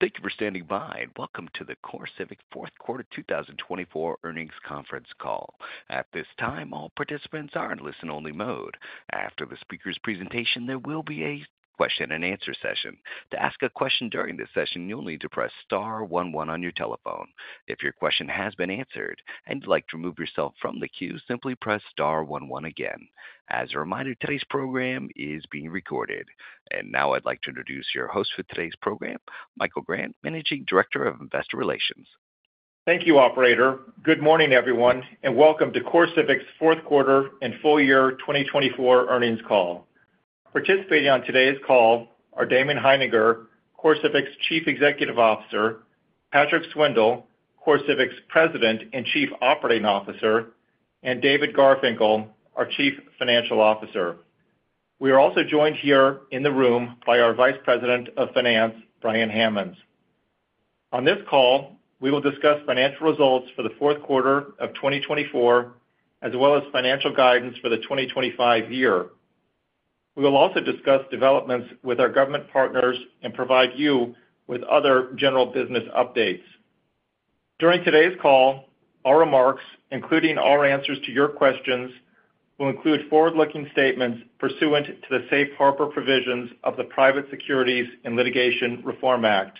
Thank you for standing by, and welcome to the CoreCivic fourth quarter 2024 earnings conference call. At this time, all participants are in listen-only mode. After the speaker's presentation, there will be a question-and-answer session. To ask a question during this session, you'll need to press Star one one on your telephone. If your question has been answered and you'd like to remove yourself from the queue, simply press Star one one again. As a reminder, today's program is being recorded, and now I'd like to introduce your host for today's program, Michael Grant, Managing Director of Investor Relations. Thank you, Operator. Good morning, everyone, and welcome to CoreCivic's fourth quarter and full year 2024 earnings call. Participating on today's call are Damon Hininger, CoreCivic's Chief Executive Officer, Patrick Swindle, CoreCivic's President and Chief Operating Officer, and David Garfinkle, our Chief Financial Officer. We are also joined here in the room by our Vice President of Finance, Brian Hammonds. On this call, we will discuss financial results for the fourth quarter of 2024, as well as financial guidance for the 2025 year. We will also discuss developments with our government partners and provide you with other general business updates. During today's call, our remarks, including our answers to your questions, will include forward-looking statements pursuant to the Safe Harbor Provisions of the Private Securities Litigation Reform Act.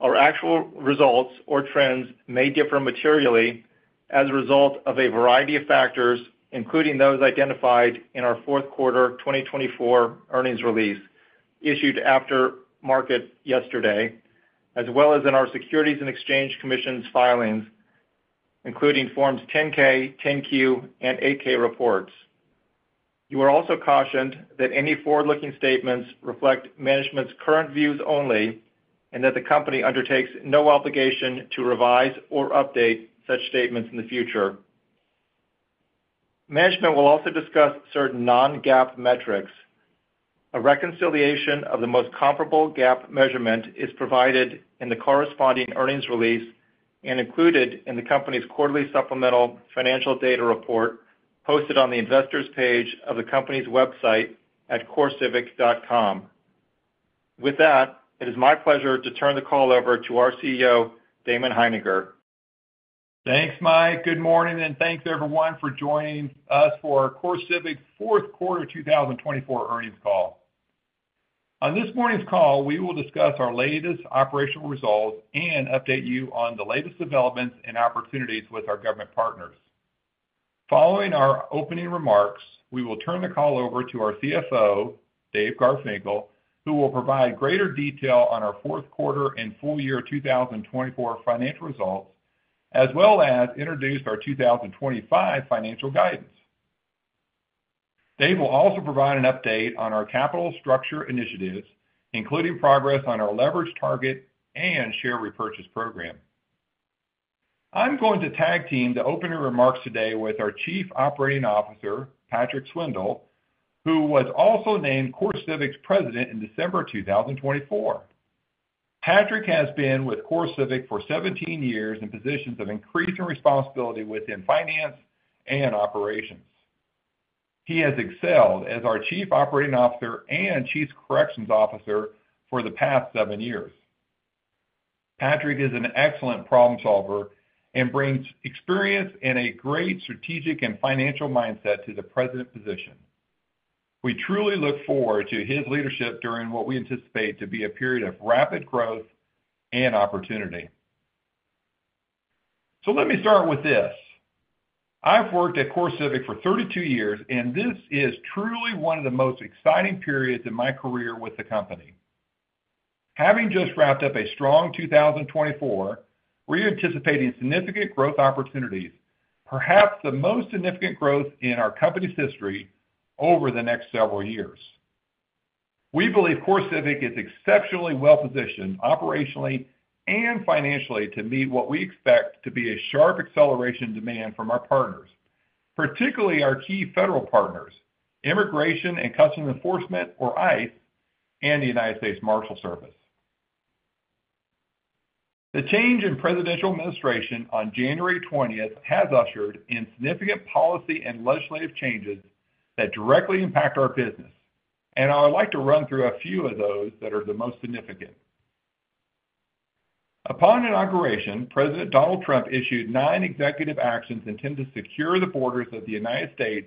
Our actual results or trends may differ materially as a result of a variety of factors, including those identified in our fourth quarter 2024 earnings release issued after market yesterday, as well as in our Securities and Exchange Commission's filings, including Forms 10-K, 10-Q, and 8-K reports. You are also cautioned that any forward-looking statements reflect management's current views only and that the company undertakes no obligation to revise or update such statements in the future. Management will also discuss certain non-GAAP metrics. A reconciliation of the most comparable GAAP measurement is provided in the corresponding earnings release and included in the company's quarterly supplemental financial data report posted on the investors' page of the company's website at corecivic.com. With that, it is my pleasure to turn the call over to our CEO, Damon Hininger. Thanks, Mike. Good morning, and thanks, everyone, for joining us for our CoreCivic fourth quarter 2024 earnings call. On this morning's call, we will discuss our latest operational results and update you on the latest developments and opportunities with our government partners. Following our opening remarks, we will turn the call over to our CFO, Dave Garfinkle, who will provide greater detail on our fourth quarter and full year 2024 financial results, as well as introduce our 2025 financial guidance. Dave will also provide an update on our capital structure initiatives, including progress on our leverage target and share repurchase program. I'm going to tag team the opening remarks today with our Chief Operating Officer, Patrick Swindle, who was also named CoreCivic's President in December 2024. Patrick has been with CoreCivic for 17 years in positions of increasing responsibility within finance and operations. He has excelled as our Chief Operating Officer and Chief Corrections Officer for the past seven years. Patrick is an excellent problem solver and brings experience and a great strategic and financial mindset to the President position. We truly look forward to his leadership during what we anticipate to be a period of rapid growth and opportunity, so let me start with this. I've worked at CoreCivic for 32 years, and this is truly one of the most exciting periods in my career with the company. Having just wrapped up a strong 2024, we're anticipating significant growth opportunities, perhaps the most significant growth in our company's history over the next several years. We believe CoreCivic is exceptionally well-positioned operationally and financially to meet what we expect to be a sharp acceleration in demand from our partners, particularly our key federal partners, Immigration and Customs Enforcement, or ICE, and the United States Marshals Service. The change in presidential administration on January 20th has ushered in significant policy and legislative changes that directly impact our business, and I would like to run through a few of those that are the most significant. Upon inauguration, President Donald Trump issued nine executive actions intended to secure the borders of the United States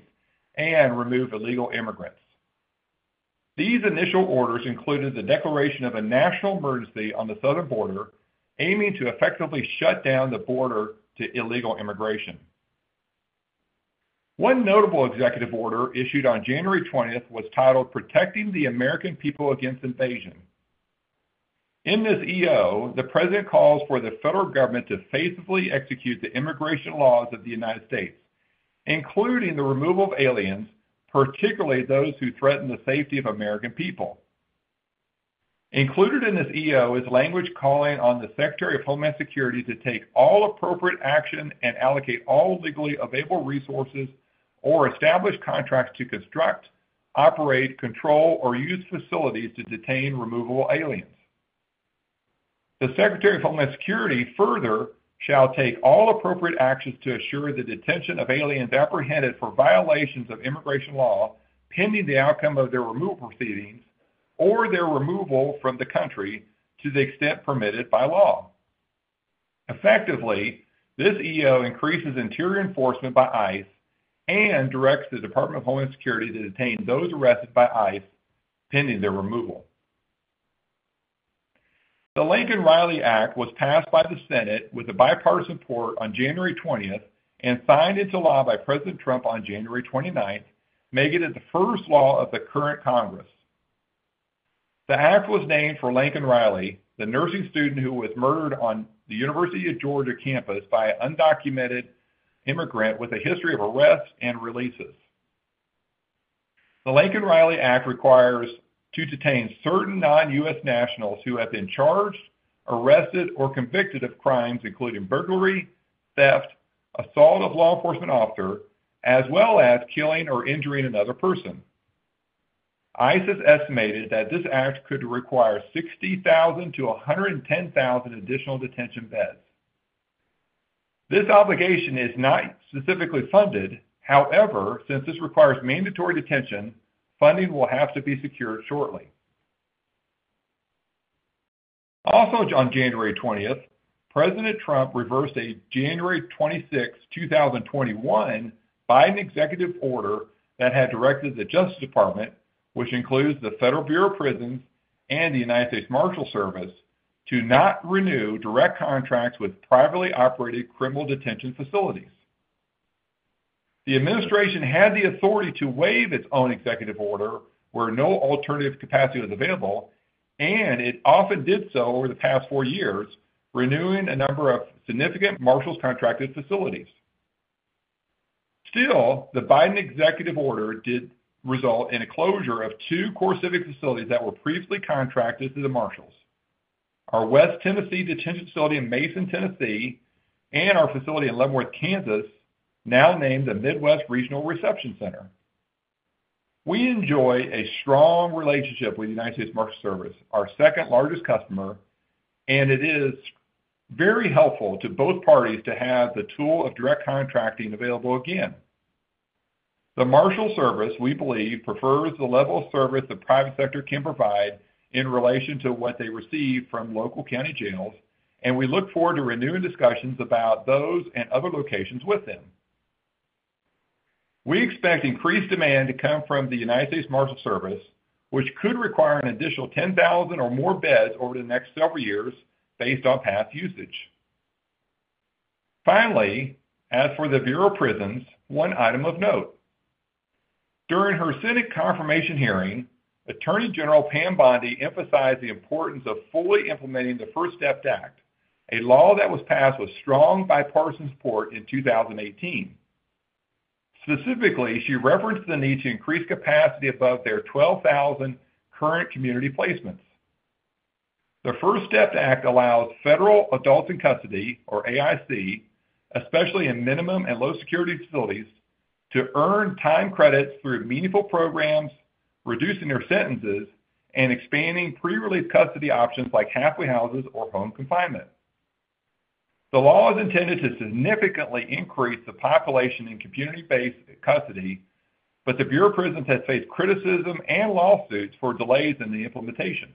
and remove illegal immigrants. These initial orders included the declaration of a National Emergency on the Southern Border, aiming to effectively shut down the border to illegal immigration. One notable Executive Order issued on January 20th was titled, "Protecting the American People Against Invasion." In this EO, the president calls for the federal government to faithfully execute the immigration laws of the United States, including the removal of aliens, particularly those who threaten the safety of American people. Included in this EO is language calling on the Secretary of Homeland Security to take all appropriate action and allocate all legally available resources or establish contracts to construct, operate, control, or use facilities to detain removable aliens. The Secretary of Homeland Security further shall take all appropriate actions to assure the detention of aliens apprehended for violations of immigration law pending the outcome of their removal proceedings or their removal from the country to the extent permitted by law. Effectively, this EO increases interior enforcement by ICE and directs the Department of Homeland Security to detain those arrested by ICE pending their removal. The Laken Riley Act was passed by the Senate with a bipartisan support on January 20th and signed into law by President Trump on January 29th, making it the first law of the current Congress. The act was named for Laken Riley, the nursing student who was murdered on the University of Georgia campus by an undocumented immigrant with a history of arrests and releases. The Laken Riley Act requires to detain certain non-U.S. nationals who have been charged, arrested, or convicted of crimes including burglary, theft, assault of law enforcement officer, as well as killing or injuring another person. ICE has estimated that this act could require 60,000-110,000 additional detention beds. This obligation is not specifically funded. However, since this requires mandatory detention, funding will have to be secured shortly. Also, on January 20th, President Trump reversed a January 26th, 2021, Biden Executive Order that had directed the Justice Department, which includes the Federal Bureau of Prisons and the United States Marshals Service, to not renew direct contracts with privately operated criminal detention facilities. The administration had the authority to waive its own Executive Order where no alternative capacity was available, and it often did so over the past four years, renewing a number of significant Marshals contracted facilities. Still, the Biden Executive Order did result in a closure of two CoreCivic facilities that were previously contracted to the Marshals: our West Tennessee Detention Facility in Mason, Tennessee, and our facility in Leavenworth, Kansas, now named the Midwest Regional Reception Center. We enjoy a strong relationship with the United States Marshals Service, our second largest customer, and it is very helpful to both parties to have the tool of direct contracting available again. The Marshals Service, we believe, prefers the level of service the private sector can provide in relation to what they receive from local county jails, and we look forward to renewing discussions about those and other locations with them. We expect increased demand to come from the United States Marshals Service, which could require an additional 10,000 or more beds over the next several years based on past usage. Finally, as for the Bureau of Prisons, one item of note. During her Senate confirmation hearing, Attorney General Pam Bondi emphasized the importance of fully implementing the First Step Act, a law that was passed with strong bipartisan support in 2018. Specifically, she referenced the need to increase capacity above their 12,000 current community placements. The First Step Act allows Federal Adults in Custody, or AIC, especially in minimum and low-security facilities, to earn time credits through meaningful programs, reducing their sentences, and expanding pre-release custody options like halfway houses or home confinement. The law is intended to significantly increase the population in community-based custody, but the Bureau of Prisons has faced criticism and lawsuits for delays in the implementation.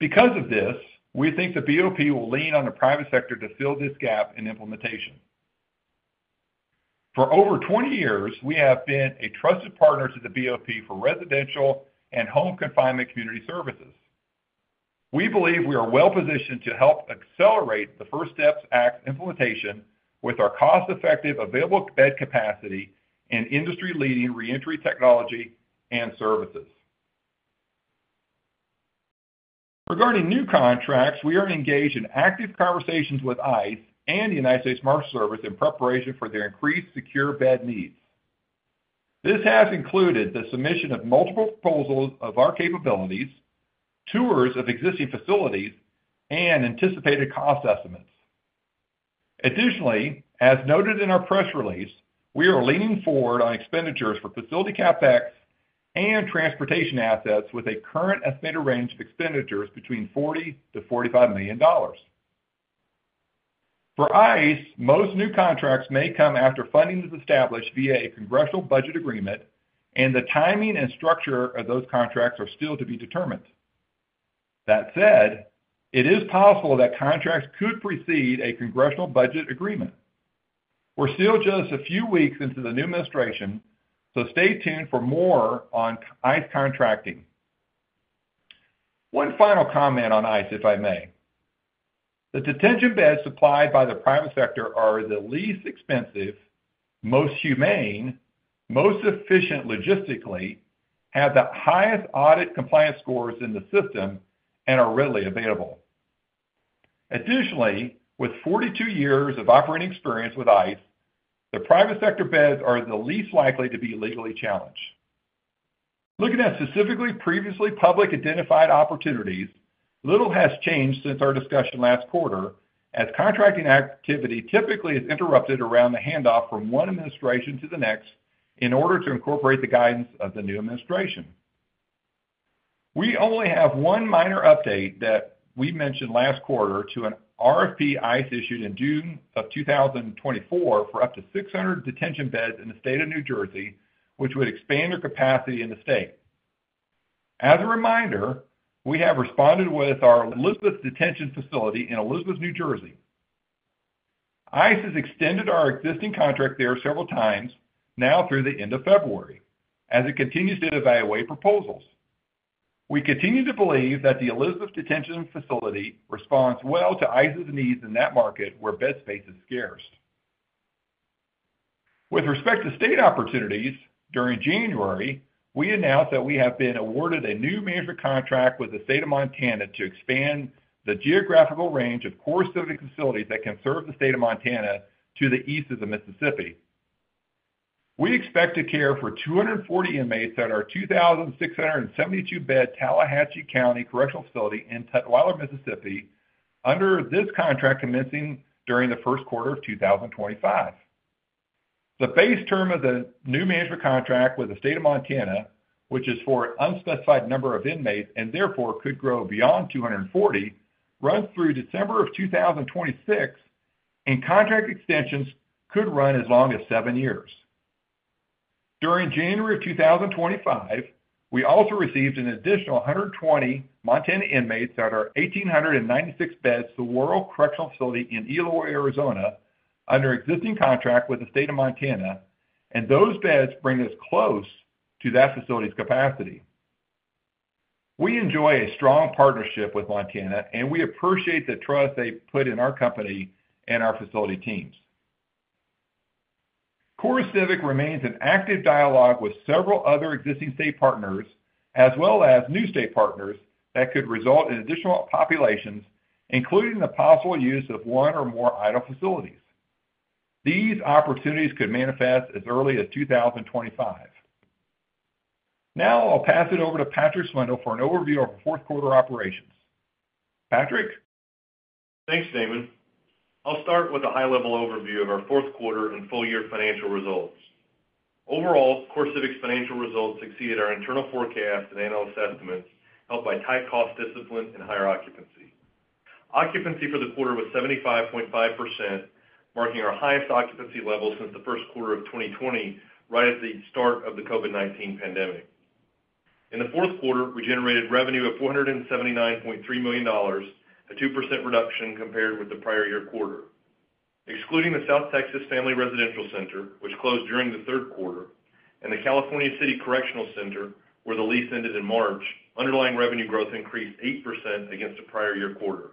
Because of this, we think the BOP will lean on the private sector to fill this gap in implementation. For over 20 years, we have been a trusted partner to the BOP for residential and home confinement community services. We believe we are well-positioned to help accelerate the First Step Act implementation with our cost-effective available bed capacity and industry-leading reentry technology and services. Regarding new contracts, we are engaged in active conversations with ICE and the United States Marshals Service in preparation for their increased secure bed needs. This has included the submission of multiple proposals of our capabilities, tours of existing facilities, and anticipated cost estimates. Additionally, as noted in our press release, we are leaning forward on expenditures for facility CapEx and transportation assets with a current estimated range of expenditures between $40 million-$45 million. For ICE, most new contracts may come after funding is established via a congressional budget agreement, and the timing and structure of those contracts are still to be determined. That said, it is possible that contracts could precede a congressional budget agreement. We're still just a few weeks into the new administration, so stay tuned for more on ICE contracting. One final comment on ICE, if I may. The detention beds supplied by the private sector are the least expensive, most humane, most efficient logistically, have the highest audit compliance scores in the system, and are readily available. Additionally, with 42 years of operating experience with ICE, the private sector beds are the least likely to be legally challenged. Looking at specifically previously public identified opportunities, little has changed since our discussion last quarter, as contracting activity typically is interrupted around the handoff from one administration to the next in order to incorporate the guidance of the new administration. We only have one minor update that we mentioned last quarter to an RFP ICE issued in June of 2024 for up to 600 detention beds in the state of New Jersey, which would expand their capacity in the state. As a reminder, we have responded with our Elizabeth Detention Facility in Elizabeth, New Jersey. ICE has extended our existing contract there several times, now through the end of February, as it continues to evaluate proposals. We continue to believe that the Elizabeth Detention Facility responds well to ICE's needs in that market where bed space is scarce. With respect to state opportunities, during January, we announced that we have been awarded a new management contract with the state of Montana to expand the geographical range of CoreCivic facilities that can serve the state of Montana to the east of the Mississippi. We expect to care for 240 inmates at our 2,672-bed Tallahatchie County Correctional Facility in Tutwiler, Mississippi, under this contract commencing during the first quarter of 2025. The base term of the new management contract with the state of Montana, which is for an unspecified number of inmates and therefore could grow beyond 240, runs through December of 2026, and contract extensions could run as long as seven years. During January of 2025, we also received an additional 120 Montana inmates at our 1,896-bed Saguaro Correctional Facility in Eloy, Arizona, under existing contract with the state of Montana, and those beds bring us close to that facility's capacity. We enjoy a strong partnership with Montana, and we appreciate the trust they put in our company and our facility teams. CoreCivic remains in active dialogue with several other existing state partners, as well as new state partners that could result in additional populations, including the possible use of one or more idle facilities. These opportunities could manifest as early as 2025. Now I'll pass it over to Patrick Swindle for an overview of our fourth quarter operations. Patrick? Thanks, Damon. I'll start with a high-level overview of our fourth quarter and full-year financial results. Overall, CoreCivic's financial results exceeded our internal forecast and analyst estimates, helped by tight cost discipline and higher occupancy. Occupancy for the quarter was 75.5%, marking our highest occupancy level since the first quarter of 2020, right at the start of the COVID-19 pandemic. In the fourth quarter, we generated revenue of $479.3 million, a 2% reduction compared with the prior year quarter. Excluding the South Texas Family Residential Center, which closed during the third quarter, and the California City Correctional Center, where the lease ended in March, underlying revenue growth increased 8% against the prior year quarter.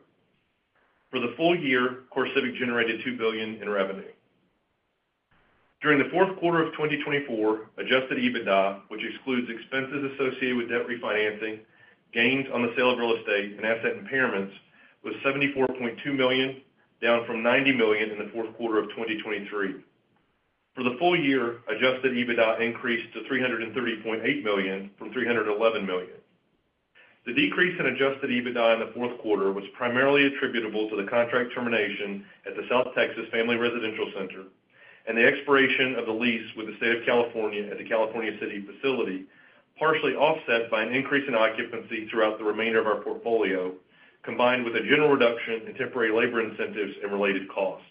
For the full year, CoreCivic generated $2 billion in revenue. During the fourth quarter of 2024, Adjusted EBITDA, which excludes expenses associated with debt refinancing, gains on the sale of real estate, and asset impairments, was $74.2 million, down from $90 million in the fourth quarter of 2023. For the full year, Adjusted EBITDA increased to $330.8 million from $311 million. The decrease in Adjusted EBITDA in the fourth quarter was primarily attributable to the contract termination at the South Texas Family Residential Center and the expiration of the lease with the state of California at the California City facility, partially offset by an increase in occupancy throughout the remainder of our portfolio, combined with a general reduction in temporary labor incentives and related costs.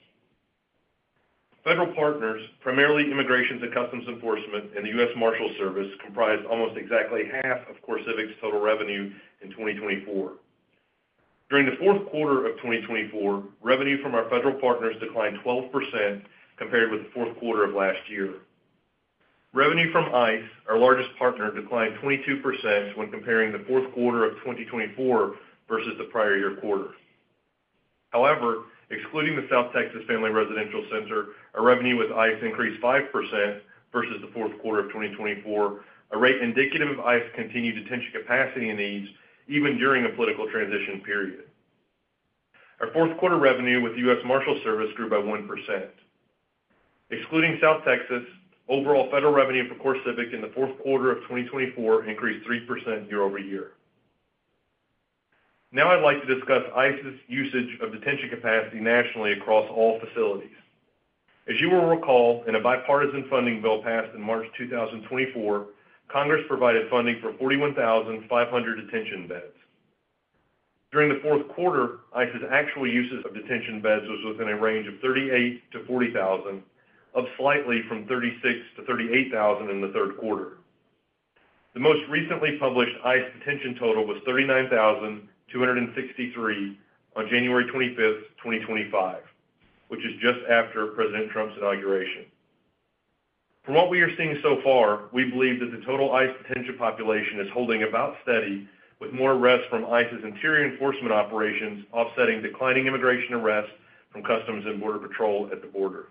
Federal partners, primarily Immigration and Customs Enforcement and the U.S. Marshals Service, comprised almost exactly half of CoreCivic's total revenue in 2024. During the fourth quarter of 2024, revenue from our federal partners declined 12% compared with the fourth quarter of last year. Revenue from ICE, our largest partner, declined 22% when comparing the fourth quarter of 2024 versus the prior year quarter. However, excluding the South Texas Family Residential Center, our revenue with ICE increased 5% versus the fourth quarter of 2024, a rate indicative of ICE's continued detention capacity needs even during a political transition period. Our fourth quarter revenue with the U.S. Marshals Service grew by 1%. Excluding South Texas, overall federal revenue for CoreCivic in the fourth quarter of 2024 increased 3% year-over-year. Now I'd like to discuss ICE's usage of detention capacity nationally across all facilities. As you will recall, in a bipartisan funding bill passed in March 2024, Congress provided funding for 41,500 detention beds. During the fourth quarter, ICE's actual usage of detention beds was within a range of 38,000-40,000, up slightly from 36,000-38,000 in the third quarter. The most recently published ICE detention total was 39,263 on January 25th, 2025, which is just after President Trump's inauguration. From what we are seeing so far, we believe that the total ICE detention population is holding about steady, with more arrests from ICE's interior enforcement operations offsetting declining immigration arrests from Customs and Border Protection at the border.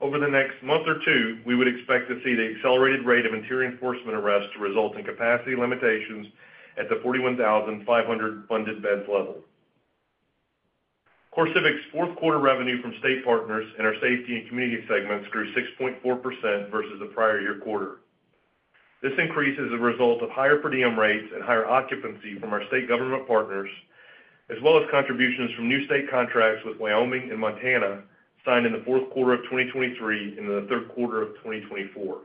Over the next month or two, we would expect to see the accelerated rate of interior enforcement arrests result in capacity limitations at the 41,500 funded beds level. CoreCivic's fourth quarter revenue from state partners in our safety and community segments grew 6.4% versus the prior year quarter. This increase is a result of higher per diem rates and higher occupancy from our state government partners, as well as contributions from new state contracts with Wyoming and Montana signed in the fourth quarter of 2023 and in the third quarter of 2024.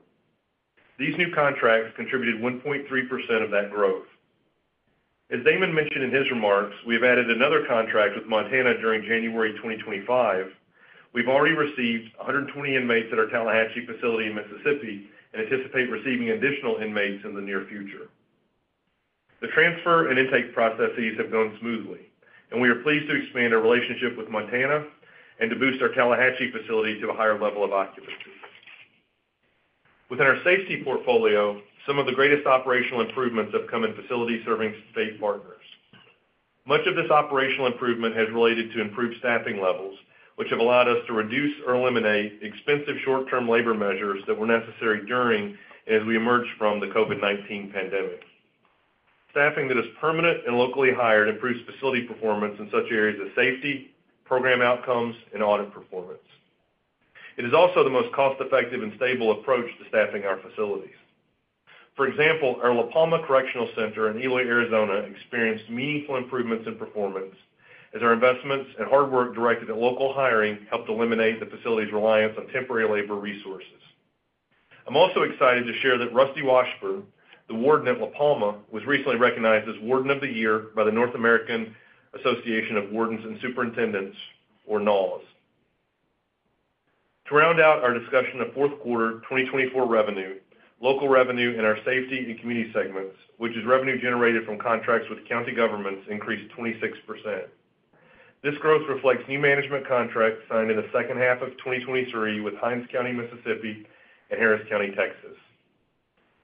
These new contracts contributed 1.3% of that growth. As Damon mentioned in his remarks, we have added another contract with Montana during January 2025. We've already received 120 inmates at our Tallahatchie facility in Mississippi and anticipate receiving additional inmates in the near future. The transfer and intake processes have gone smoothly, and we are pleased to expand our relationship with Montana and to boost our Tallahatchie facility to a higher level of occupancy. Within our safety portfolio, some of the greatest operational improvements have come in facility-serving state partners. Much of this operational improvement has related to improved staffing levels, which have allowed us to reduce or eliminate expensive short-term labor measures that were necessary during and as we emerged from the COVID-19 pandemic. Staffing that is permanent and locally hired improves facility performance in such areas as safety, program outcomes, and audit performance. It is also the most cost-effective and stable approach to staffing our facilities. For example, our La Palma Correctional Center in Eloy, Arizona, experienced meaningful improvements in performance as our investments and hard work directed at local hiring helped eliminate the facility's reliance on temporary labor resources. I'm also excited to share that Rusty Washburn, the warden at La Palma, was recently recognized as Warden of the Year by the North American Association of Wardens and Superintendents, or NAAWS. To round out our discussion of fourth quarter 2024 revenue, local revenue in our safety and community segments, which is revenue generated from contracts with county governments, increased 26%. This growth reflects new management contracts signed in the second half of 2023 with Hinds County, Mississippi, and Harris County, Texas.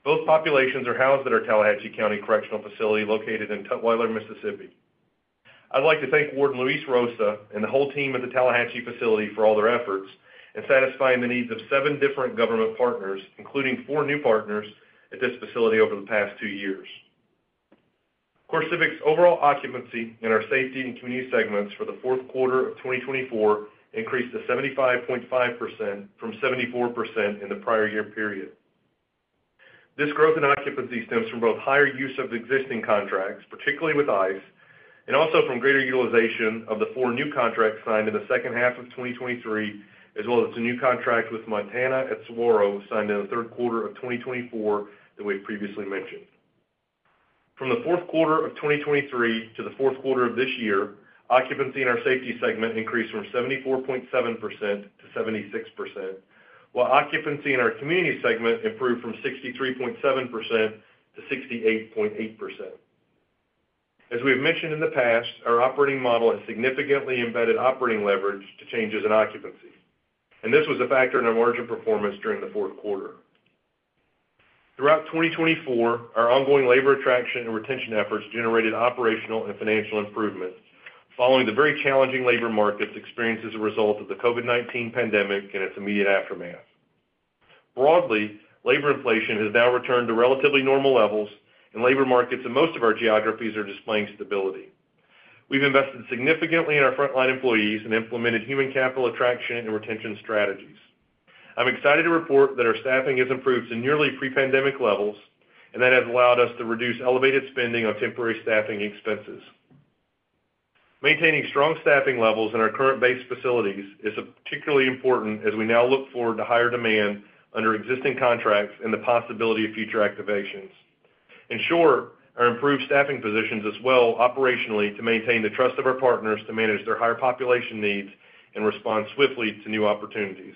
Both populations are housed at our Tallahatchie County Correctional Facility located in Tutwiler, Mississippi. I'd like to thank Warden Luis Rosa and the whole team at the Tallahatchie facility for all their efforts in satisfying the needs of seven different government partners, including four new partners at this facility over the past two years. CoreCivic's overall occupancy in our safety and community segments for the fourth quarter of 2024 increased to 75.5% from 74% in the prior year period. This growth in occupancy stems from both higher use of existing contracts, particularly with ICE, and also from greater utilization of the four new contracts signed in the second half of 2023, as well as the new contract with Montana at Saguaro signed in the third quarter of 2024 that we've previously mentioned. From the fourth quarter of 2023 to the fourth quarter of this year, occupancy in our safety segment increased from 74.7% to 76%, while occupancy in our community segment improved from 63.7% to 68.8%. As we have mentioned in the past, our operating model has significantly embedded operating leverage to changes in occupancy, and this was a factor in our margin performance during the fourth quarter. Throughout 2024, our ongoing labor attraction and retention efforts generated operational and financial improvements following the very challenging labor markets experienced as a result of the COVID-19 pandemic and its immediate aftermath. Broadly, labor inflation has now returned to relatively normal levels, and labor markets in most of our geographies are displaying stability. We've invested significantly in our frontline employees and implemented human capital attraction and retention strategies. I'm excited to report that our staffing has improved to nearly pre-pandemic levels and that has allowed us to reduce elevated spending on temporary staffing expenses. Maintaining strong staffing levels in our current base facilities is particularly important as we now look forward to higher demand under existing contracts and the possibility of future activations. In short, our improved staffing positions us well operationally to maintain the trust of our partners to manage their higher population needs and respond swiftly to new opportunities.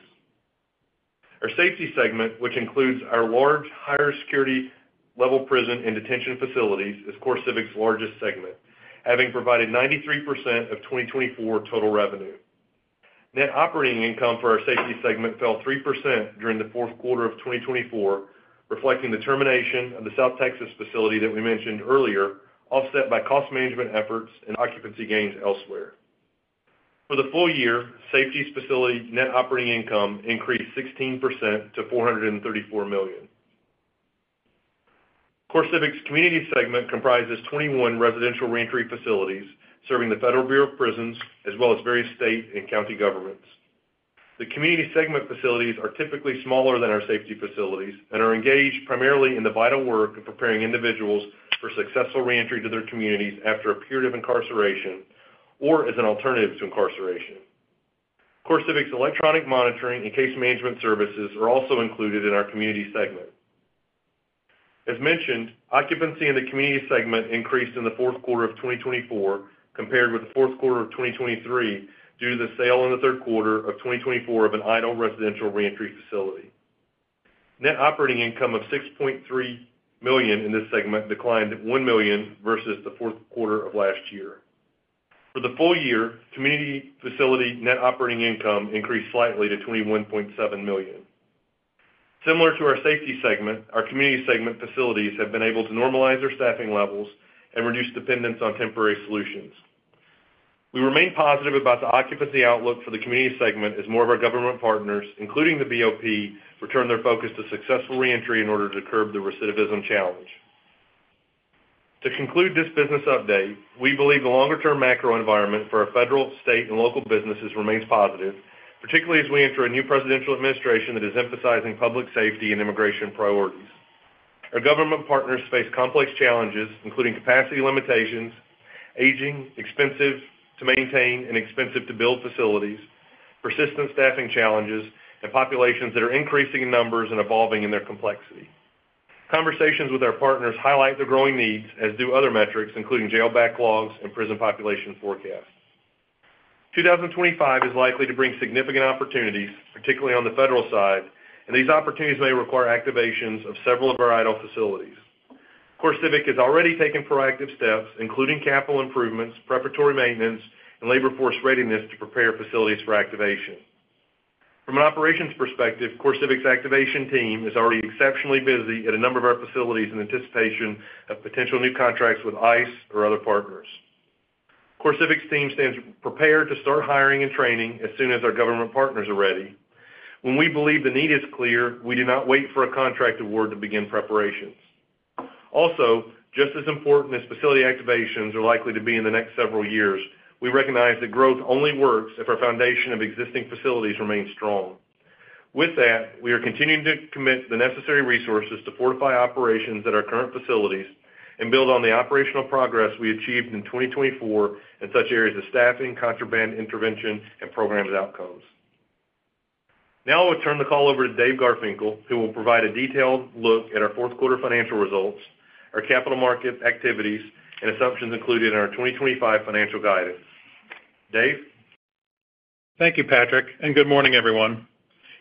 Our safety segment, which includes our large higher security level prison and detention facilities, is CoreCivic's largest segment, having provided 93% of 2024 total revenue. Net operating income for our safety segment fell 3% during the fourth quarter of 2024, reflecting the termination of the South Texas facility that we mentioned earlier, offset by cost management efforts and occupancy gains elsewhere. For the full year, safety facility net operating income increased 16% to $434 million. CoreCivic's community segment comprises 21 residential reentry facilities serving the Federal Bureau of Prisons, as well as various state and county governments. The community segment facilities are typically smaller than our safety facilities and are engaged primarily in the vital work of preparing individuals for successful reentry to their communities after a period of incarceration or as an alternative to incarceration. CoreCivic's electronic monitoring and case management services are also included in our community segment. As mentioned, occupancy in the community segment increased in the fourth quarter of 2024 compared with the fourth quarter of 2023 due to the sale in the third quarter of 2024 of an idle residential reentry facility. Net operating income of $6.3 million in this segment declined $1 million versus the fourth quarter of last year. For the full year, community facility net operating income increased slightly to $21.7 million. Similar to our safety segment, our community segment facilities have been able to normalize their staffing levels and reduce dependence on temporary solutions. We remain positive about the occupancy outlook for the community segment as more of our government partners, including the BOP, return their focus to successful reentry in order to curb the recidivism challenge. To conclude this business update, we believe the longer-term macro environment for our federal, state, and local businesses remains positive, particularly as we enter a new presidential administration that is emphasizing public safety and immigration priorities. Our government partners face complex challenges, including capacity limitations, aging, expensive to maintain and expensive to build facilities, persistent staffing challenges, and populations that are increasing in numbers and evolving in their complexity. Conversations with our partners highlight the growing needs, as do other metrics, including jail backlogs and prison population forecasts. 2025 is likely to bring significant opportunities, particularly on the federal side, and these opportunities may require activations of several of our idle facilities. CoreCivic has already taken proactive steps, including capital improvements, preparatory maintenance, and labor force readiness to prepare facilities for activation. From an operations perspective, CoreCivic's activation team is already exceptionally busy at a number of our facilities in anticipation of potential new contracts with ICE or other partners. CoreCivic's team stands prepared to start hiring and training as soon as our government partners are ready. When we believe the need is clear, we do not wait for a contract award to begin preparations. Also, just as important as facility activations are likely to be in the next several years, we recognize that growth only works if our foundation of existing facilities remains strong. With that, we are continuing to commit the necessary resources to fortify operations at our current facilities and build on the operational progress we achieved in 2024 in such areas as staffing, contraband intervention, and program outcomes. Now I will turn the call over to Dave Garfinkle, who will provide a detailed look at our fourth quarter financial results, our capital market activities, and assumptions included in our 2025 financial guidance. Dave. Thank you, Patrick, and good morning, everyone.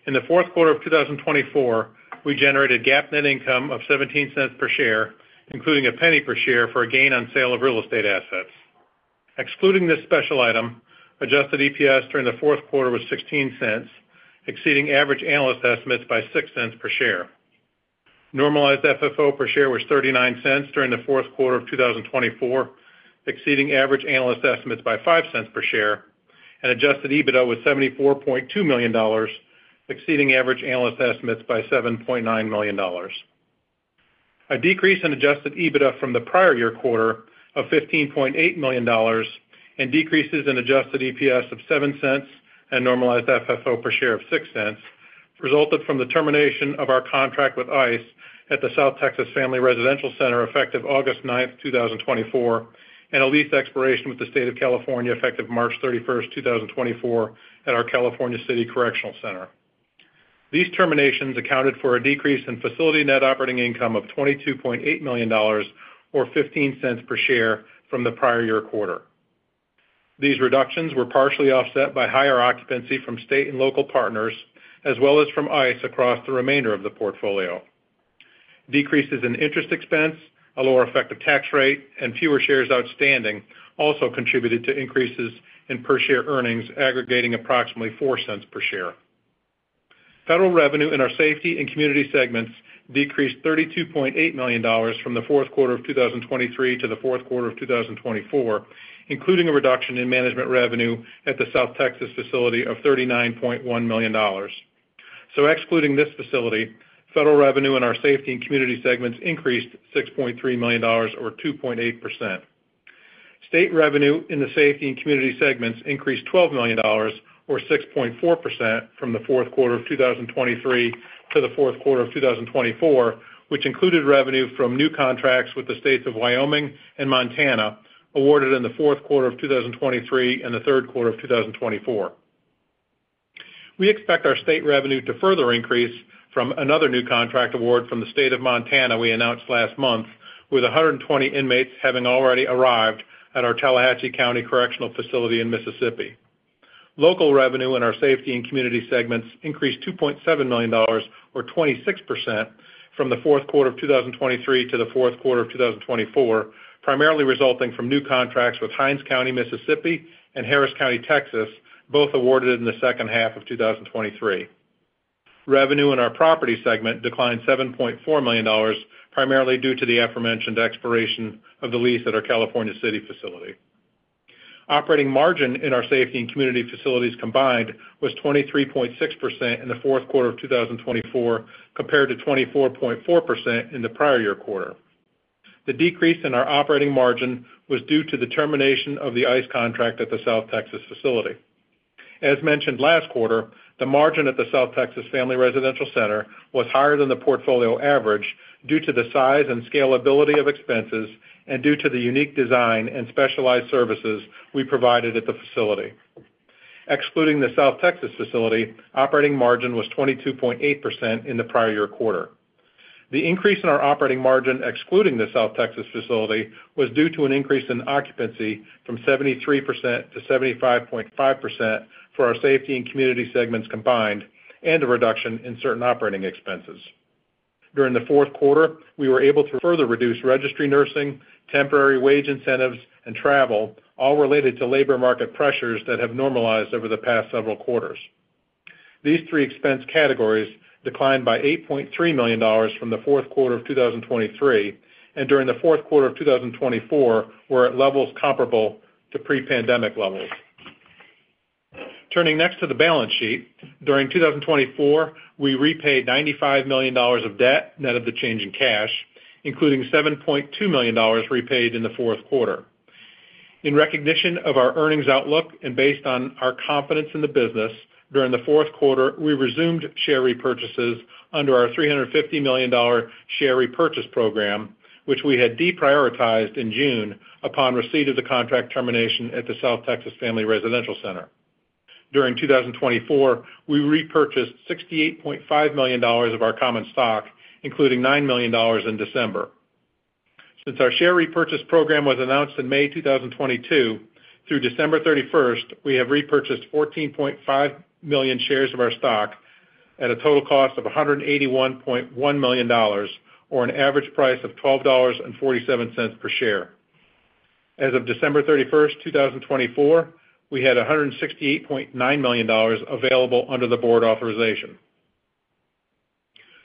In the fourth quarter of 2024, we generated GAAP net income of $0.17 per share, including $0.01 per share for a gain on sale of real estate assets. Excluding this special item, Adjusted EPS during the fourth quarter was $0.16, exceeding average analyst estimates by $0.06 per share. Normalized FFO per share was $0.39 during the fourth quarter of 2024, exceeding average analyst estimates by $0.05 per share, and adjusted EBITDA was $74.2 million, exceeding average analyst estimates by $7.9 million. A decrease in Adjusted EBITDA from the prior year quarter of $15.8 million and decreases in Adjusted EPS of $0.07 and Normalized FFO per share of $0.06 resulted from the termination of our contract with ICE at the South Texas Family Residential Center effective August 9, 2024, and a lease expiration with the State of California effective March 31st, 2024, at our California City Correctional Center. These terminations accounted for a decrease in facility net operating income of $22.8 million, or $0.15 per share, from the prior year quarter. These reductions were partially offset by higher occupancy from state and local partners, as well as from ICE across the remainder of the portfolio. Decreases in interest expense, a lower effective tax rate, and fewer shares outstanding also contributed to increases in per share earnings, aggregating approximately $0.04 per share. Federal revenue in our safety and community segments decreased $32.8 million from the fourth quarter of 2023 to the fourth quarter of 2024, including a reduction in management revenue at the South Texas facility of $39.1 million. So excluding this facility, federal revenue in our safety and community segments increased $6.3 million, or 2.8%. State revenue in the safety and community segments increased $12 million, or 6.4%, from the fourth quarter of 2023 to the fourth quarter of 2024, which included revenue from new contracts with the states of Wyoming and Montana awarded in the fourth quarter of 2023 and the third quarter of 2024. We expect our state revenue to further increase from another new contract award from the state of Montana we announced last month, with 120 inmates having already arrived at our Tallahatchie County Correctional Facility in Mississippi. Local revenue in our safety and community segments increased $2.7 million, or 26%, from the fourth quarter of 2023 to the fourth quarter of 2024, primarily resulting from new contracts with Hinds County, Mississippi, and Harris County, Texas, both awarded in the second half of 2023. Revenue in our property segment declined $7.4 million, primarily due to the aforementioned expiration of the lease at our California City facility. Operating margin in our safety and community facilities combined was 23.6% in the fourth quarter of 2024, compared to 24.4% in the prior year quarter. The decrease in our operating margin was due to the termination of the ICE contract at the South Texas facility. As mentioned last quarter, the margin at the South Texas Family Residential Center was higher than the portfolio average due to the size and scalability of expenses and due to the unique design and specialized services we provided at the facility. Excluding the South Texas facility, operating margin was 22.8% in the prior year quarter. The increase in our operating margin excluding the South Texas facility was due to an increase in occupancy from 73% to 75.5% for our safety and community segments combined and a reduction in certain operating expenses. During the fourth quarter, we were able to further reduce registry nursing, temporary wage incentives, and travel, all related to labor market pressures that have normalized over the past several quarters. These three expense categories declined by $8.3 million from the fourth quarter of 2023, and during the fourth quarter of 2024, were at levels comparable to pre-pandemic levels. Turning next to the balance sheet, during 2024, we repaid $95 million of debt net of the change in cash, including $7.2 million repaid in the fourth quarter. In recognition of our earnings outlook and based on our confidence in the business, during the fourth quarter, we resumed share repurchases under our $350 million share repurchase program, which we had deprioritized in June upon receipt of the contract termination at the South Texas Family Residential Center. During 2024, we repurchased $68.5 million of our common stock, including $9 million in December. Since our share repurchase program was announced in May 2022, through December 31st, we have repurchased 14.5 million shares of our stock at a total cost of $181.1 million, or an average price of $12.47 per share. As of December 31st, 2024, we had $168.9 million available under the board authorization.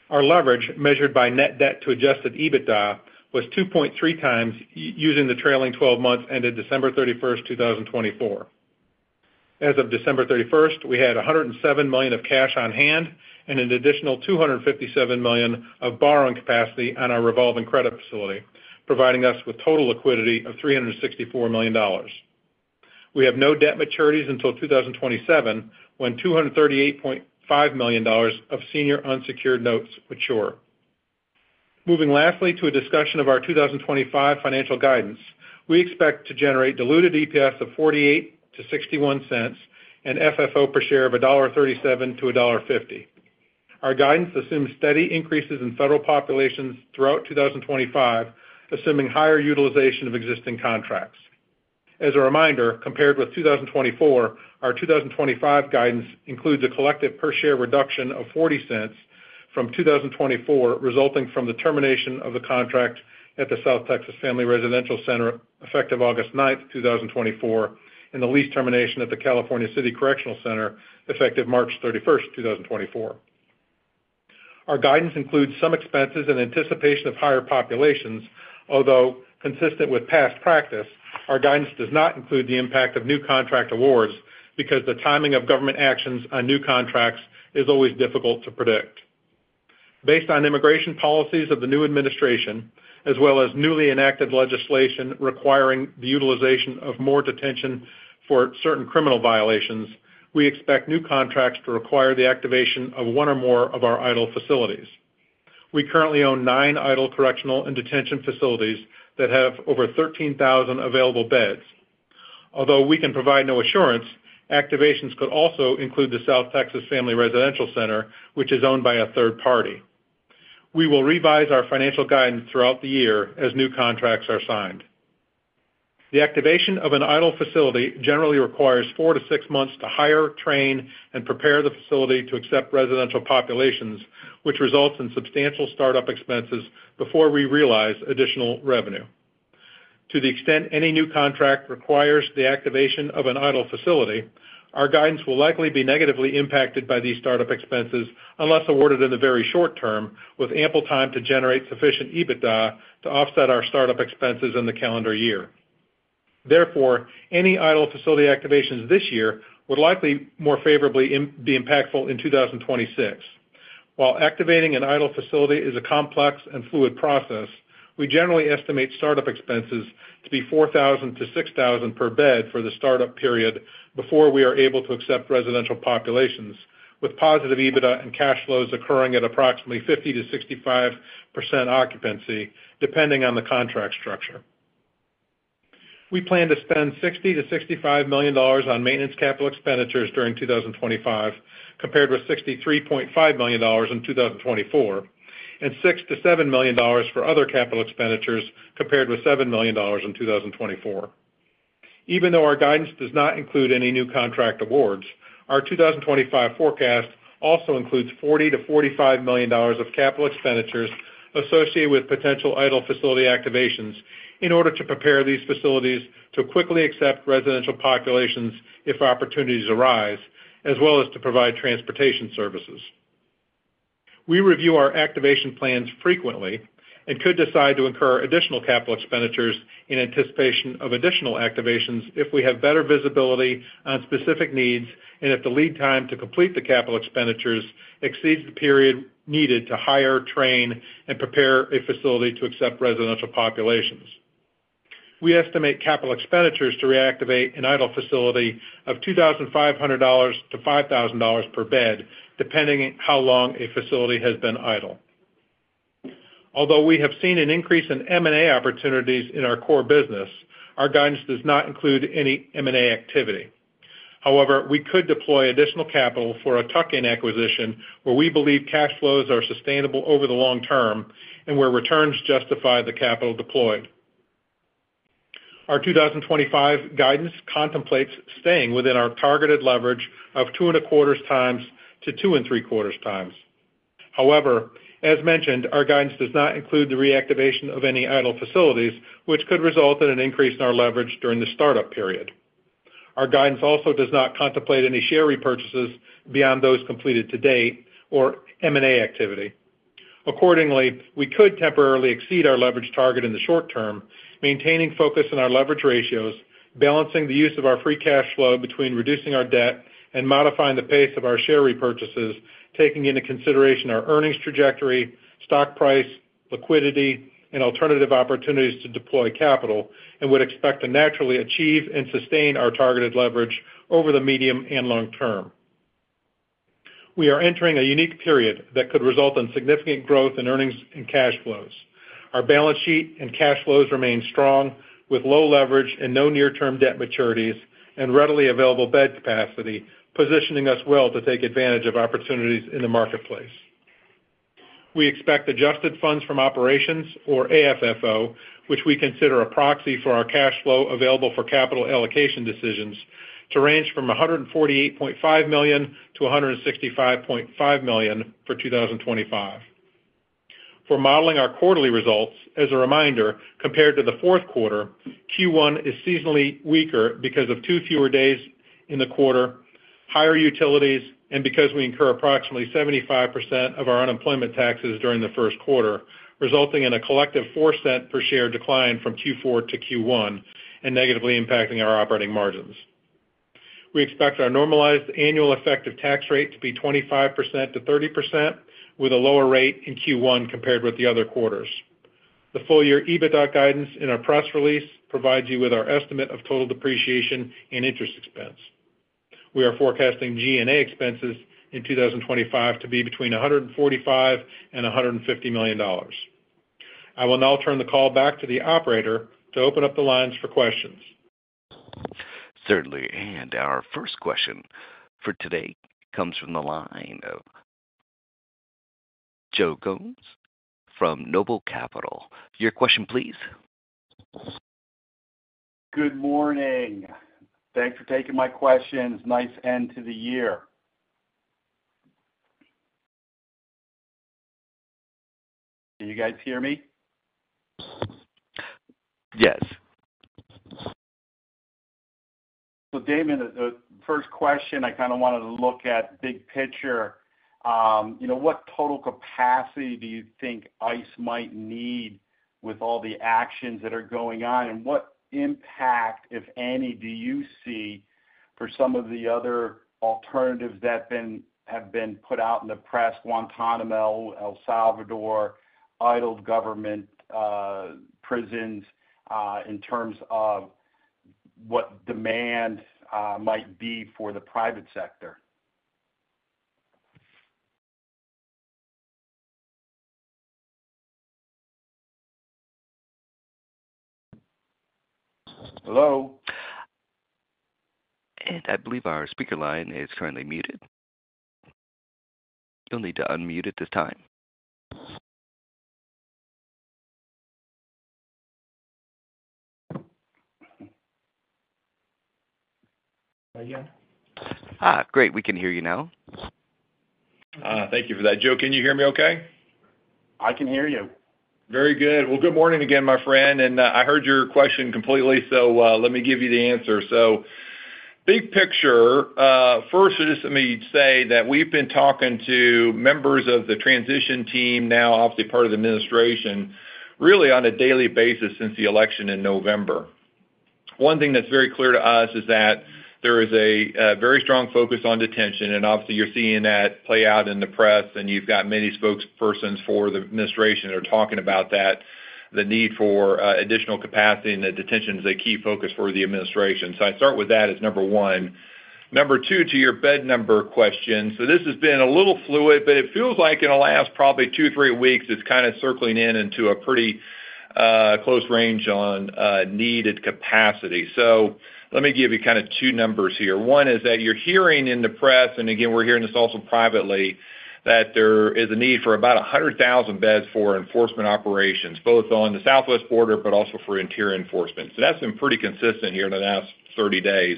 Our leverage, measured by net debt to Adjusted EBITDA, was 2.3 times using the trailing 12 months ended December 31st, 2024. As of December 31st, we had $107 million of cash on hand and an additional $257 million of borrowing capacity on our revolving credit facility, providing us with total liquidity of $364 million. We have no debt maturities until 2027 when $238.5 million of senior unsecured notes mature. Moving lastly to a discussion of our 2025 financial guidance, we expect to generate diluted EPS of $0.48-$0.61 and FFO per share of $1.37-$1.50. Our guidance assumes steady increases in federal populations throughout 2025, assuming higher utilization of existing contracts. As a reminder, compared with 2024, our 2025 guidance includes a collective per share reduction of $0.40 from 2024, resulting from the termination of the contract at the South Texas Family Residential Center effective August 9th, 2024, and the lease termination at the California City Correctional Center effective March 31st, 2024. Our guidance includes some expenses in anticipation of higher populations, although consistent with past practice. Our guidance does not include the impact of new contract awards because the timing of government actions on new contracts is always difficult to predict. Based on immigration policies of the new administration, as well as newly enacted legislation requiring the utilization of more detention for certain criminal violations, we expect new contracts to require the activation of one or more of our idle facilities. We currently own nine idle correctional and detention facilities that have over 13,000 available beds. Although we can provide no assurance, activations could also include the South Texas Family Residential Center, which is owned by a third party. We will revise our financial guidance throughout the year as new contracts are signed. The activation of an idle facility generally requires four to six months to hire, train, and prepare the facility to accept residential populations, which results in substantial startup expenses before we realize additional revenue. To the extent any new contract requires the activation of an idle facility, our guidance will likely be negatively impacted by these startup expenses unless awarded in the very short term, with ample time to generate sufficient EBITDA to offset our startup expenses in the calendar year. Therefore, any idle facility activations this year would likely more favorably be impactful in 2026. While activating an idle facility is a complex and fluid process, we generally estimate startup expenses to be $4,000-$6,000 per bed for the startup period before we are able to accept residential populations, with positive EBITDA and cash flows occurring at approximately 50%-65% occupancy, depending on the contract structure. We plan to spend $60 million-$65 million on maintenance capital expenditures during 2025, compared with $63.5 million in 2024, and $6 million-$7 million for other capital expenditures, compared with $7 million in 2024. Even though our guidance does not include any new contract awards, our 2025 forecast also includes $40 million-$45 million of capital expenditures associated with potential idle facility activations in order to prepare these facilities to quickly accept residential populations if opportunities arise, as well as to provide transportation services. We review our activation plans frequently and could decide to incur additional capital expenditures in anticipation of additional activations if we have better visibility on specific needs and if the lead time to complete the capital expenditures exceeds the period needed to hire, train, and prepare a facility to accept residential populations. We estimate capital expenditures to reactivate an idle facility of $2,500-$5,000 per bed, depending on how long a facility has been idle. Although we have seen an increase in M&A opportunities in our core business, our guidance does not include any M&A activity. However, we could deploy additional capital for a tuck-in acquisition where we believe cash flows are sustainable over the long term and where returns justify the capital deployed. Our 2025 guidance contemplates staying within our targeted leverage of two and a quarter times to two and three quarters times. However, as mentioned, our guidance does not include the reactivation of any idle facilities, which could result in an increase in our leverage during the startup period. Our guidance also does not contemplate any share repurchases beyond those completed to date or M&A activity. Accordingly, we could temporarily exceed our leverage target in the short term, maintaining focus on our leverage ratios, balancing the use of our free cash flow between reducing our debt and modifying the pace of our share repurchases, taking into consideration our earnings trajectory, stock price, liquidity, and alternative opportunities to deploy capital, and would expect to naturally achieve and sustain our targeted leverage over the medium and long term. We are entering a unique period that could result in significant growth in earnings and cash flows. Our balance sheet and cash flows remain strong, with low leverage and no near-term debt maturities and readily available bed capacity, positioning us well to take advantage of opportunities in the marketplace. We expect Adjusted Funds From Operations, or AFFO, which we consider a proxy for our cash flow available for capital allocation decisions, to range from $148.5 million-$165.5 million for 2025. For modeling our quarterly results, as a reminder, compared to the fourth quarter, Q1 is seasonally weaker because of two fewer days in the quarter, higher utilities, and because we incur approximately 75% of our unemployment taxes during the first quarter, resulting in a collective $0.04 per share decline from Q4 to Q1 and negatively impacting our operating margins. We expect our normalized annual effective tax rate to be 25%-30%, with a lower rate in Q1 compared with the other quarters. The full-year EBITDA guidance in our press release provides you with our estimate of total depreciation and interest expense. We are forecasting G&A expenses in 2025 to be between $145 million and $150 million. I will now turn the call back to the operator to open up the lines for questions. Certainly. And our first question for today comes from the line of Joe Gomes from NOBLE Capital. Your question, please. Good morning. Thanks for taking my questions. Nice end to the year. Can you guys hear me? Yes. So, Damon, the first question, I kind of wanted to look at big picture. What total capacity do you think ICE might need with all the actions that are going on? And what impact, if any, do you see for some of the other alternatives that have been put out in the press - Guantanamo, El Salvador, idle government prisons - in terms of what demand might be for the private sector? Hello? And I believe our speaker line is currently muted. You'll need to unmute at this time. Are you on? Great. We can hear you now. Thank you for that, Joe. Can you hear me okay? I can hear you. Very good. Well, good morning again, my friend. And I heard your question completely, so let me give you the answer. So, big picture, first, just let me say that we've been talking to members of the transition team now, obviously part of the administration, really on a daily basis since the election in November. One thing that's very clear to us is that there is a very strong focus on detention. Obviously, you're seeing that play out in the press, and you've got many spokespersons for the administration that are talking about that, the need for additional capacity and detention is a key focus for the administration. So I'd start with that as number one. Number two, to your bed number question. So this has been a little fluid, but it feels like in the last probably two, three weeks, it's kind of circling in into a pretty close range on needed capacity. So let me give you kind of two numbers here. One is that you're hearing in the press, and again, we're hearing this also privately, that there is a need for about 100,000 beds for enforcement operations, both on the southwest border but also for interior enforcement. So that's been pretty consistent here in the last 30 days.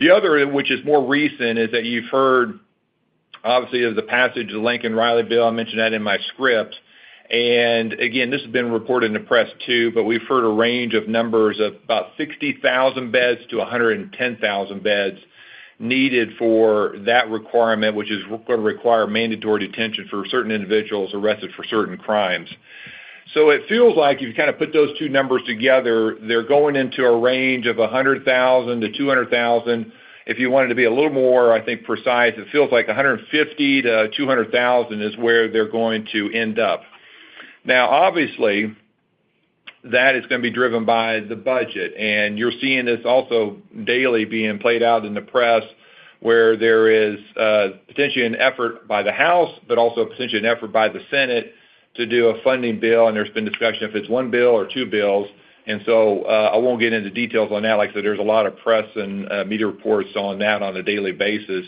The other, which is more recent, is that you've heard, obviously, of the passage of the Laken Riley bill. I mentioned that in my script. And again, this has been reported in the press too, but we've heard a range of numbers of about 60,000 beds to 110,000 beds needed for that requirement, which is going to require mandatory detention for certain individuals arrested for certain crimes. So it feels like if you kind of put those two numbers together, they're going into a range of 100,000-200,000. If you wanted to be a little more, I think, precise, it feels like 150,000-200,000 is where they're going to end up. Now, obviously, that is going to be driven by the budget. And you're seeing this also daily being played out in the press, where there is potentially an effort by the House, but also potentially an effort by the Senate to do a funding bill. And there's been discussion if it's one bill or two bills. And so I won't get into details on that, like I said, there's a lot of press and media reports on that on a daily basis.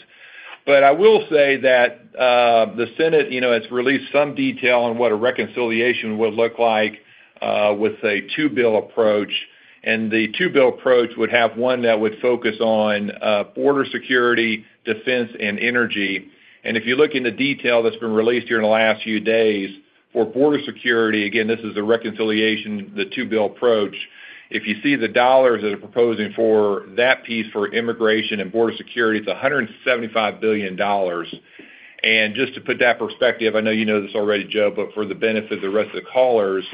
But I will say that the Senate has released some detail on what a reconciliation would look like with a two-bill approach. And the two-bill approach would have one that would focus on border security, defense, and energy. And if you look into detail that's been released here in the last few days for border security, again, this is a reconciliation, the two-bill approach. If you see the dollars that are proposing for that piece for immigration and border security, it's $175 billion. And just to put that in perspective, I know you know this already, Joe, but for the benefit of the rest of the callers,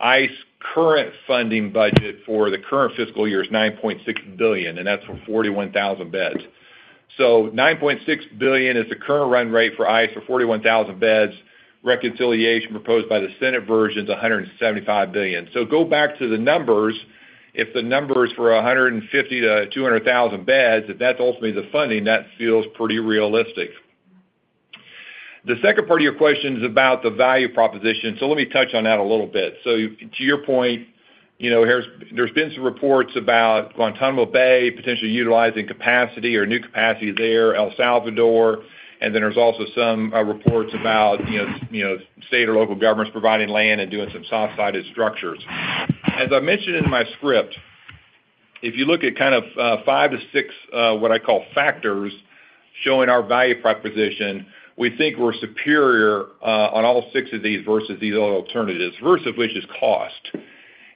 ICE's current funding budget for the current fiscal year is $9.6 billion, and that's for 41,000 beds. So $9.6 billion is the current run rate for ICE for 41,000 beds. Reconciliation proposed by the Senate version is $175 billion. So go back to the numbers. If the numbers for 150,000-200,000 beds, if that's ultimately the funding, that feels pretty realistic. The second part of your question is about the value proposition. So let me touch on that a little bit. So to your point, there's been some reports about Guantanamo Bay potentially utilizing capacity or new capacity there, El Salvador. And then there's also some reports about state or local governments providing land and doing some soft-sided structures. As I mentioned in my script, if you look at kind of five to six what I call factors showing our value proposition, we think we're superior on all six of these versus these other alternatives, first of which is cost.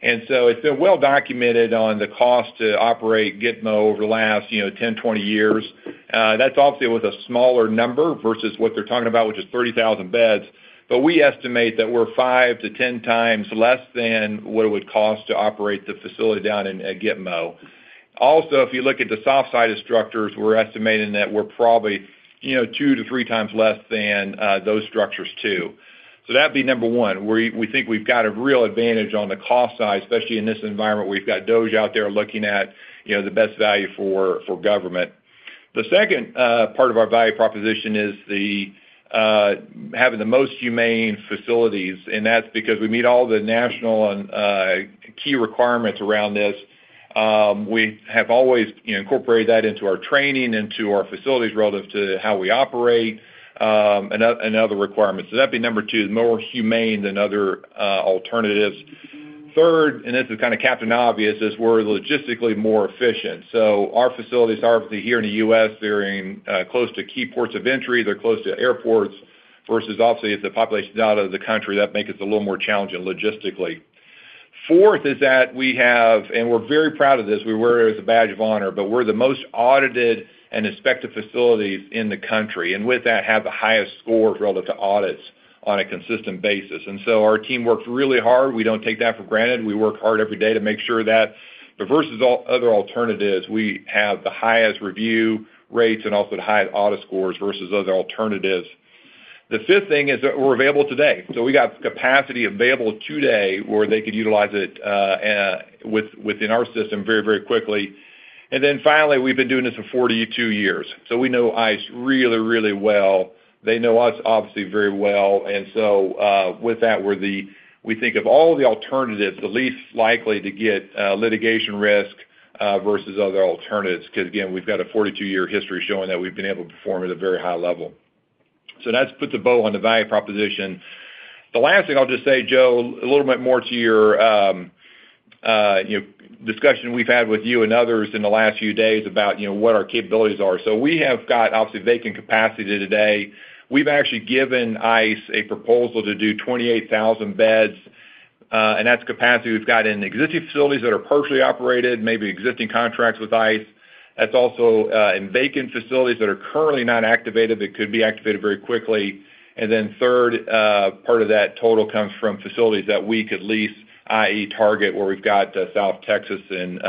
And so it's been well documented on the cost to operate Gitmo over the last 10-20 years. That's obviously with a smaller number versus what they're talking about, which is 30,000 beds. But we estimate that we're 5-10 times less than what it would cost to operate the facility down in Gitmo. Also, if you look at the soft-sided structures, we're estimating that we're probably two to three times less than those structures too. So that'd be number one. We think we've got a real advantage on the cost side, especially in this environment where you've got DOGE out there looking at the best value for government. The second part of our value proposition is having the most humane facilities. And that's because we meet all the national and key requirements around this. We have always incorporated that into our training, into our facilities relative to how we operate, and other requirements. So that'd be number two, more humane than other alternatives. Third, and this is kind of Captain Obvious, is we're logistically more efficient. So our facilities, obviously, here in the U.S., they're close to key ports of entry. They're close to airports versus obviously the population out of the country. That makes it a little more challenging logistically. Fourth is that we have, and we're very proud of this. We wear it as a badge of honor, but we're the most audited and inspected facilities in the country. And with that, have the highest scores relative to audits on a consistent basis. And so our team works really hard. We don't take that for granted. We work hard every day to make sure that versus other alternatives, we have the highest review rates and also the highest audit scores versus other alternatives. The fifth thing is that we're available today. So we got capacity available today where they could utilize it within our system very, very quickly. And then finally, we've been doing this for 42 years. So we know ICE really, really well. They know us, obviously, very well. And so with that, we think of all the alternatives the least likely to get litigation risk versus other alternatives because, again, we've got a 42-year history showing that we've been able to perform at a very high level. So that's put the bow on the value proposition. The last thing I'll just say, Joe, a little bit more to your discussion we've had with you and others in the last few days about what our capabilities are. So we have got, obviously, vacant capacity today. We've actually given ICE a proposal to do 28,000 beds. And that's capacity we've got in existing facilities that are partially operated, maybe existing contracts with ICE. That's also in vacant facilities that are currently not activated, but could be activated very quickly. And then the third part of that total comes from facilities that we could lease, i.e., Target, where we've got South Texas and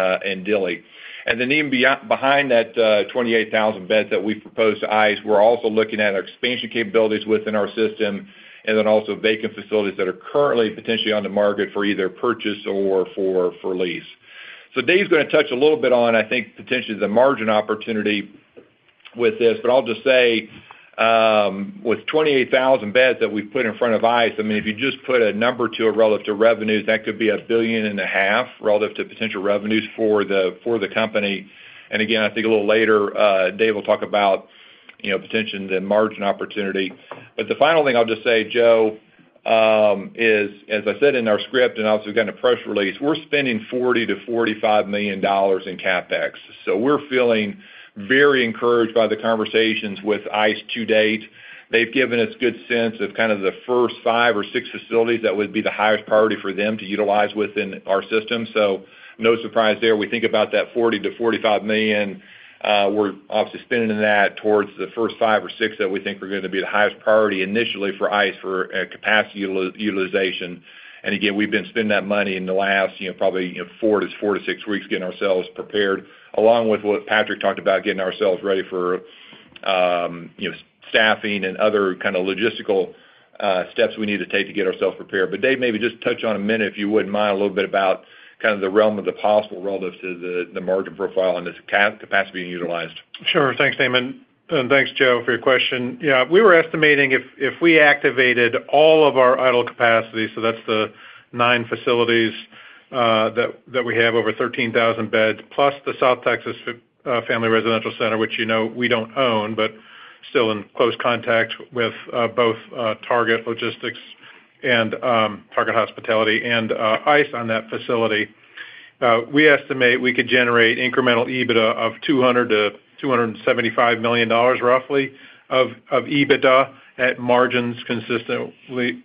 Dilley. And then even behind that 28,000 beds that we've proposed to ICE, we're also looking at our expansion capabilities within our system, and then also vacant facilities that are currently potentially on the market for either purchase or for lease. So Dave's going to touch a little bit on, I think, potentially the margin opportunity with this. But I'll just say, with 28,000 beds that we've put in front of ICE, I mean, if you just put a number to it relative to revenues, that could be $1.5 billion relative to potential revenues for the company. And again, I think a little later, Dave will talk about potentially the margin opportunity. But the final thing I'll just say, Joe, is, as I said in our script and obviously we've gotten a press release, we're spending $40 million-$45 million in CapEx. So we're feeling very encouraged by the conversations with ICE to date. They've given us good sense of kind of the first five or six facilities that would be the highest priority for them to utilize within our system. So no surprise there. We think about that $40 million-$45 million. We're obviously spending that towards the first five or six that we think are going to be the highest priority initially for ICE for capacity utilization. And again, we've been spending that money in the last probably four to six weeks getting ourselves prepared, along with what Patrick talked about, getting ourselves ready for staffing and other kind of logistical steps we need to take to get ourselves prepared. But Dave, maybe just touch on a minute, if you wouldn't mind, a little bit about kind of the realm of the possible relative to the margin profile and this capacity being utilized. Sure. Thanks, Damon. And thanks, Joe, for your question. Yeah. We were estimating if we activated all of our idle capacity, so that's the nine facilities that we have over 13,000 beds, plus the South Texas Family Residential Center, which we don't own, but still in close contact with both Target Logistics and Target Hospitality and ICE on that facility. We estimate we could generate incremental EBITDA of $200 million-$275 million, roughly, of EBITDA at margins consistent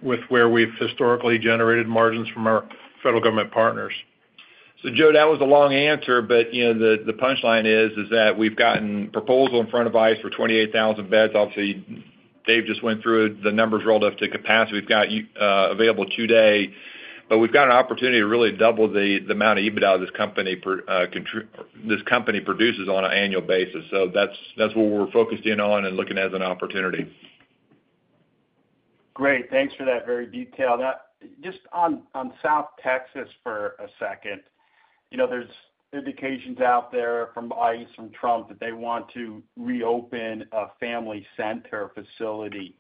with where we've historically generated margins from our federal government partners. So, Joe, that was a long answer, but the punchline is that we've gotten a proposal in front of ICE for 28,000 beds. Obviously, Dave just went through the numbers relative to capacity we've got available today. But we've got an opportunity to really double the amount of EBITDA this company produces on an annual basis. So that's what we're focusing on and looking at as an opportunity. Great. Thanks for that very detailed. Just on South Texas for a second, there's indications out there from ICE, from Trump, that they want to reopen a family center facility.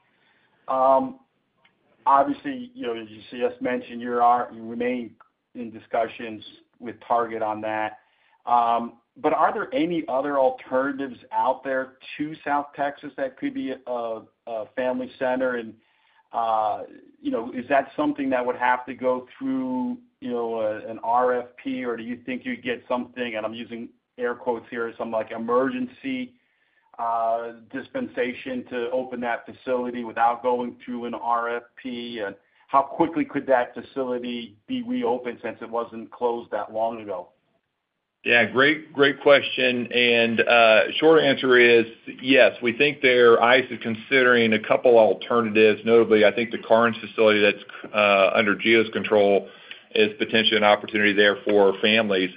Obviously, as you just mentioned, you remain in discussions with Target on that. But are there any other alternatives out there to South Texas that could be a family center? And is that something that would have to go through an RFP, or do you think you'd get something, and I'm using air quotes here, some emergency dispensation to open that facility without going through an RFP? And how quickly could that facility be reopened since it wasn't closed that long ago? Yeah. Great question. And short answer is yes. We think ICE is considering a couple of alternatives. Notably, I think the Karnes facility that's under GEO's control is potentially an opportunity there for families.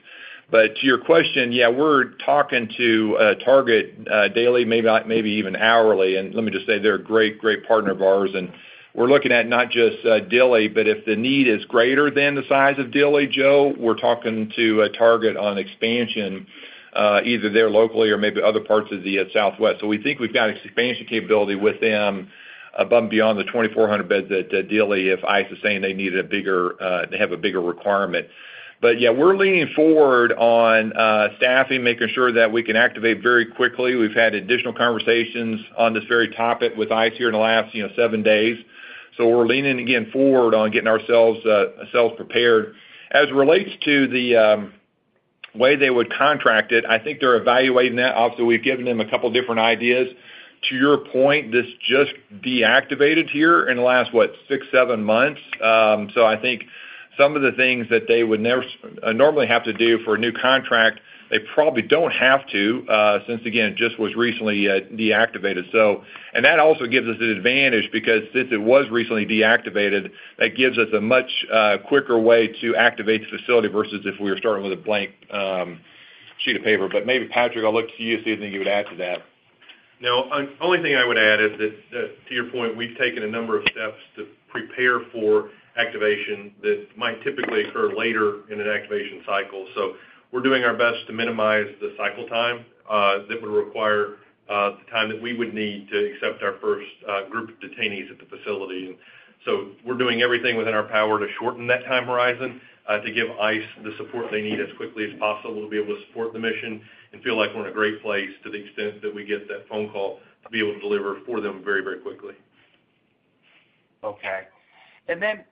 But to your question, yeah, we're talking to Target daily, maybe even hourly. And let me just say they're a great, great partner of ours. And we're looking at not just Dilley, but if the need is greater than the size of Dilley, Joe, we're talking to Target on expansion, either there locally or maybe other parts of the Southwest. So we think we've got expansion capability with them above and beyond the 2,400 beds at Dilley if ICE is saying they need a bigger—they have a bigger requirement. But yeah, we're leaning forward on staffing, making sure that we can activate very quickly. We've had additional conversations on this very topic with ICE here in the last seven days. So we're leaning, again, forward on getting ourselves prepared. As it relates to the way they would contract it, I think they're evaluating that. Obviously, we've given them a couple of different ideas. To your point, this just deactivated here in the last, what, six, seven months. So I think some of the things that they would normally have to do for a new contract, they probably don't have to since, again, it just was recently deactivated. And that also gives us an advantage because since it was recently deactivated, that gives us a much quicker way to activate the facility versus if we were starting with a blank sheet of paper. But maybe, Patrick, I'll look to you to see if you would add to that. Now, the only thing I would add is that, to your point, we've taken a number of steps to prepare for activation that might typically occur later in an activation cycle. So we're doing our best to minimize the cycle time that would require the time that we would need to accept our first group of detainees at the facility. And so we're doing everything within our power to shorten that time horizon, to give ICE the support they need as quickly as possible to be able to support the mission and feel like we're in a great place to the extent that we get that phone call to be able to deliver for them very, very quickly. Okay. And then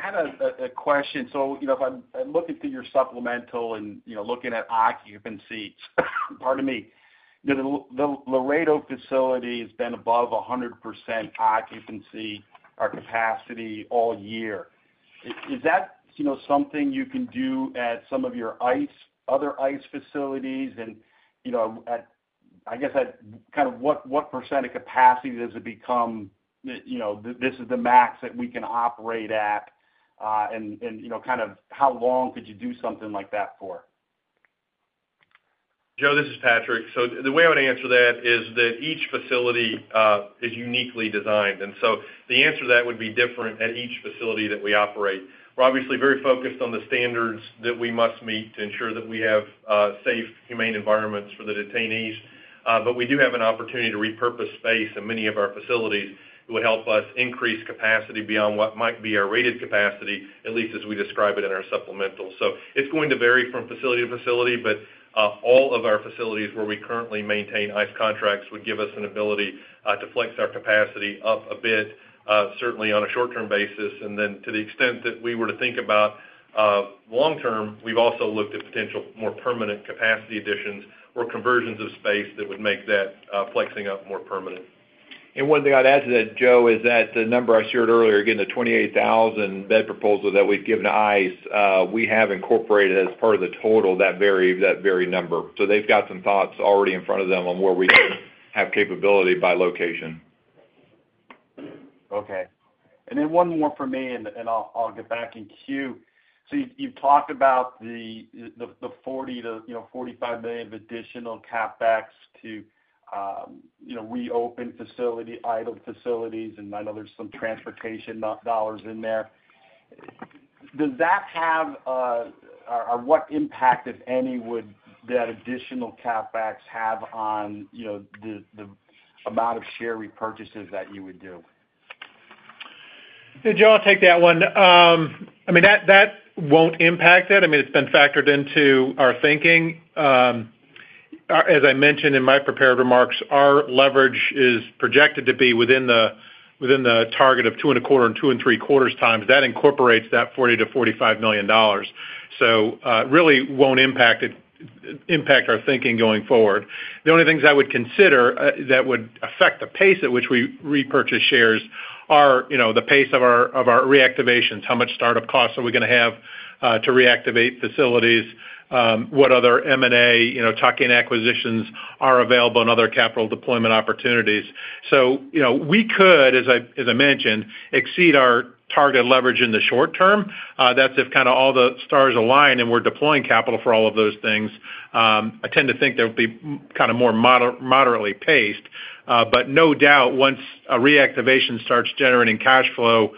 I have a question. So if I'm looking through your supplemental and looking at occupancy, pardon me, the Laredo facility has been above 100% occupancy or capacity all year. Is that something you can do at some of your other ICE facilities? And I guess kind of what percent of capacity does it become? This is the max that we can operate at? And kind of how long could you do something like that for? Joe, this is Patrick. So the way I would answer that is that each facility is uniquely designed. And so the answer to that would be different at each facility that we operate. We're obviously very focused on the standards that we must meet to ensure that we have safe, humane environments for the detainees. But we do have an opportunity to repurpose space in many of our facilities. It will help us increase capacity beyond what might be our rated capacity, at least as we describe it in our supplemental. So it's going to vary from facility to facility. But all of our facilities where we currently maintain ICE contracts would give us an ability to flex our capacity up a bit, certainly on a short-term basis. And then to the extent that we were to think about long-term, we've also looked at potential more permanent capacity additions or conversions of space that would make that flexing up more permanent. And one thing I'd add to that, Joe, is that the number I shared earlier, again, the 28,000 bed proposal that we've given to ICE, we have incorporated as part of the total that very number. So they've got some thoughts already in front of them on where we could have capability by location. Okay. Then one more for me, and I'll get back in queue. So you've talked about the $40 million-$45 million of additional CapEx to reopen facilities, idle facilities, and I know there's some transportation dollars in there. Does that have, or what impact, if any, would that additional CapEx have on the amount of share repurchases that you would do? So, Joe, I'll take that one. I mean, that won't impact it. I mean, it's been factored into our thinking. As I mentioned in my prepared remarks, our leverage is projected to be within the target of 2.25-2.75 times. That incorporates that $40 million-$45 million. So really won't impact our thinking going forward. The only things I would consider that would affect the pace at which we repurchase shares are the pace of our reactivations. How much startup cost are we going to have to reactivate facilities? What other M&A, tuck-in acquisitions are available and other capital deployment opportunities? So we could, as I mentioned, exceed our target leverage in the short term. That's if kind of all the stars align and we're deploying capital for all of those things. I tend to think there would be kind of more moderately paced. But no doubt, once a reactivation starts generating cash flow,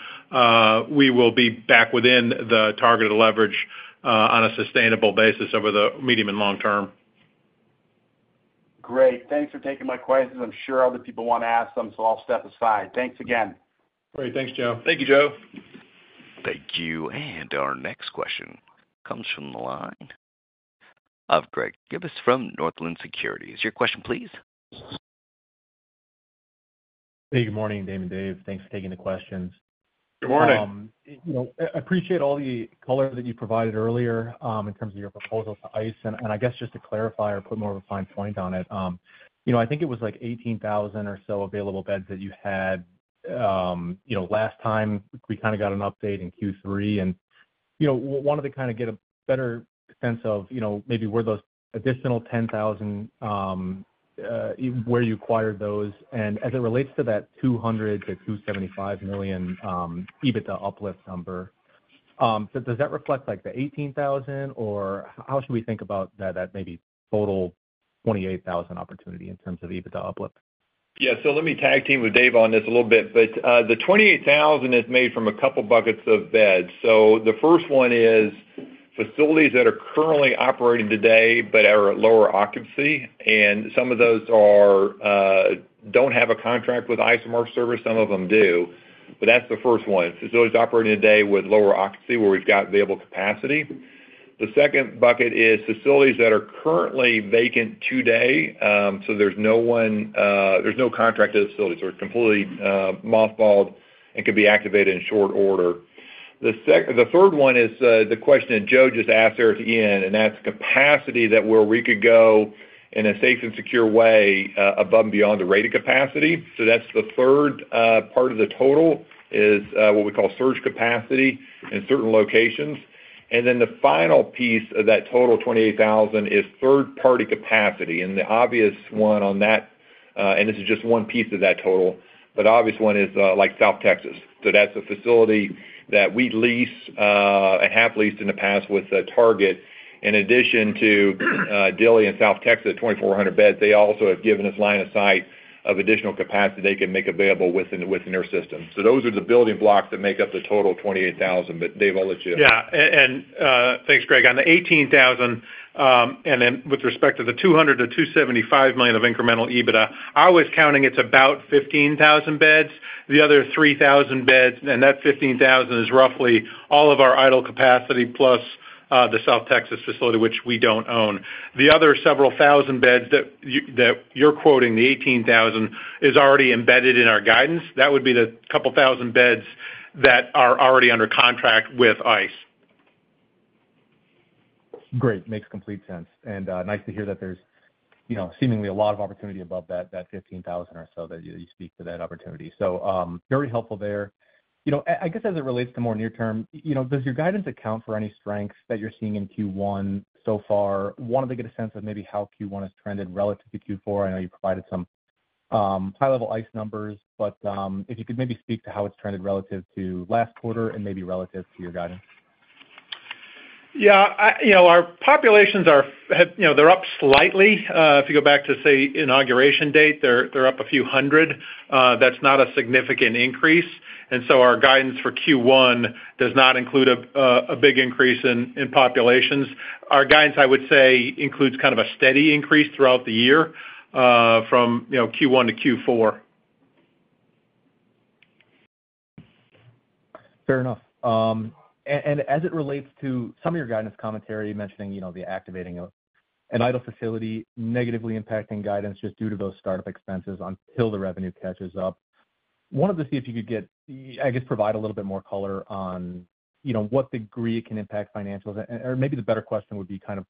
we will be back within the targeted leverage on a sustainable basis over the medium and long term. Great. Thanks for taking my questions. I'm sure other people want to ask them, so I'll step aside. Thanks again. Great. Thanks, Joe. Thank you, Joe. Thank you. And our next question comes from the line of Greg Gibas from Northland Securities. Is your question, please? Hey, good morning, Damon. Dave. Thanks for taking the questions. Good morning. I appreciate all the color that you provided earlier in terms of your proposal to ICE. And I guess just to clarify or put more of a fine point on it, I think it was like 18,000 or so available beds that you had last time. We kind of got an update in Q3. And wanted to kind of get a better sense of maybe where those additional 10,000, where you acquired those. And as it relates to that $200 million-$275 million EBITDA uplift number, does that reflect the 18,000? Or how should we think about that maybe total 28,000 opportunity in terms of EBITDA uplift? Yeah. So let me tag team with Dave on this a little bit. But the 28,000 is made from a couple of buckets of beds. The first one is facilities that are currently operating today but are at lower occupancy. And some of those don't have a contract with ICE or Marshals Service. Some of them do. But that's the first one. Facilities operating today with lower occupancy where we've got available capacity. The second bucket is facilities that are currently vacant today. So there's no contract to the facilities. They're completely mothballed and could be activated in short order. The third one is the question that Joe just asked there at the end. And that's capacity that where we could go in a safe and secure way above and beyond the rated capacity. So that's the third part of the total is what we call surge capacity in certain locations. And then the final piece of that total 28,000 is third-party capacity. The obvious one on that, and this is just one piece of that total, but the obvious one is like South Texas. So that's a facility that we lease and have leased in the past with Target. In addition to Dilley and South Texas at 2,400 beds, they also have given us line of sight of additional capacity they can make available within their system. So those are the building blocks that make up the total 28,000. But Dave, I'll let you. Yeah. And thanks, Greg. On the 18,000, and then with respect to the $200 million-$275 million of incremental EBITDA, I was counting, it's about 15,000 beds. The other 3,000 beds, and that 15,000 is roughly all of our idle capacity plus the South Texas facility, which we don't own. The other several thousand beds that you're quoting, the 18,000, is already embedded in our guidance. That would be the couple thousand beds that are already under contract with ICE. Great. Makes complete sense. And nice to hear that there's seemingly a lot of opportunity above that 15,000 or so that you speak to that opportunity. So very helpful there. I guess as it relates to more near term, does your guidance account for any strengths that you're seeing in Q1 so far? Wanted to get a sense of maybe how Q1 has trended relative to Q4. I know you provided some high-level ICE numbers, but if you could maybe speak to how it's trended relative to last quarter and maybe relative to your guidance. Yeah. Our populations are. They're up slightly. If you go back to, say, inauguration date, they're up a few hundred. That's not a significant increase. And so our guidance for Q1 does not include a big increase in populations. Our guidance, I would say, includes kind of a steady increase throughout the year from Q1 to Q4. Fair enough. And as it relates to some of your guidance commentary, mentioning the activating of an idle facility negatively impacting guidance just due to those startup expenses until the revenue catches up, wanted to see if you could get, I guess, provide a little bit more color on what degree it can impact financials. Or maybe the better question would be kind of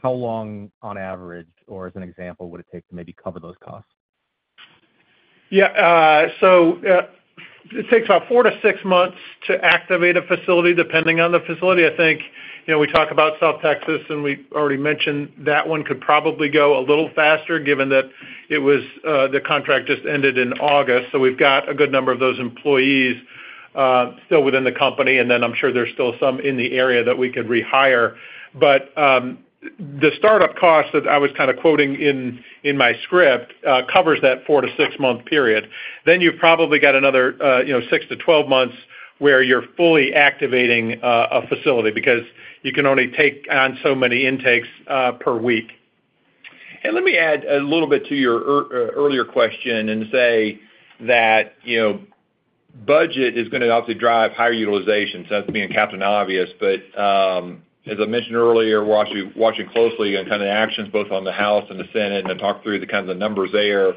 how long on average, or as an example, would it take to maybe cover those costs? Yeah. So it takes about 4-6 months to activate a facility depending on the facility. I think we talk about South Texas, and we already mentioned that one could probably go a little faster given that the contract just ended in August. So we've got a good number of those employees still within the company. And then I'm sure there's still some in the area that we could rehire. But the startup cost that I was kind of quoting in my script covers that four-to-six-month period. Then you've probably got another 6-12 months where you're fully activating a facility because you can only take on so many intakes per week. And let me add a little bit to your earlier question and say that budget is going to obviously drive higher utilization. So that's being a Captain Obvious. But as I mentioned earlier, we're actually watching closely on kind of the actions both on the House and the Senate and talk through the kind of numbers there.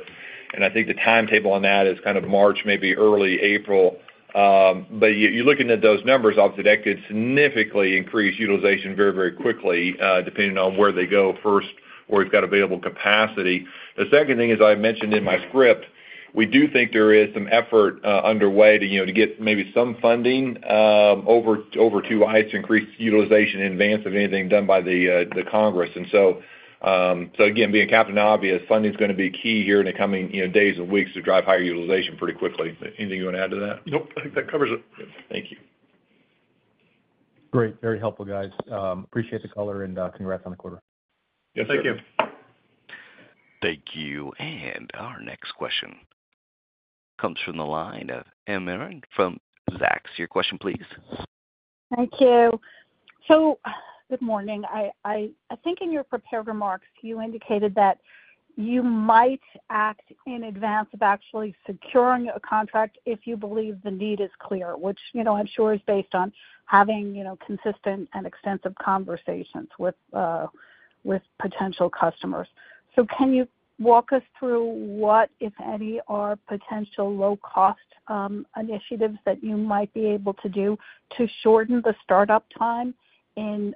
And I think the timetable on that is kind of March, maybe early April. But you're looking at those numbers, obviously, that could significantly increase utilization very, very quickly depending on where they go first or we've got available capacity. The second thing is, I mentioned in my script, we do think there is some effort underway to get maybe some funding over to ICE to increase utilization in advance of anything done by the Congress. And so, again, being a Captain Obvious, funding is going to be key here in the coming days and weeks to drive higher utilization pretty quickly. Anything you want to add to that? Nope. I think that covers it. Thank you. Great. Very helpful, guys. Appreciate the color and congrats on the quarter. Yes. Thank you. Thank you. And our next question comes from the line of Marla Marin from Zacks. Your question, please. Thank you. So good morning. I think in your prepared remarks, you indicated that you might act in advance of actually securing a contract if you believe the need is clear, which I'm sure is based on having consistent and extensive conversations with potential customers. So can you walk us through what, if any, are potential low-cost initiatives that you might be able to do to shorten the startup time in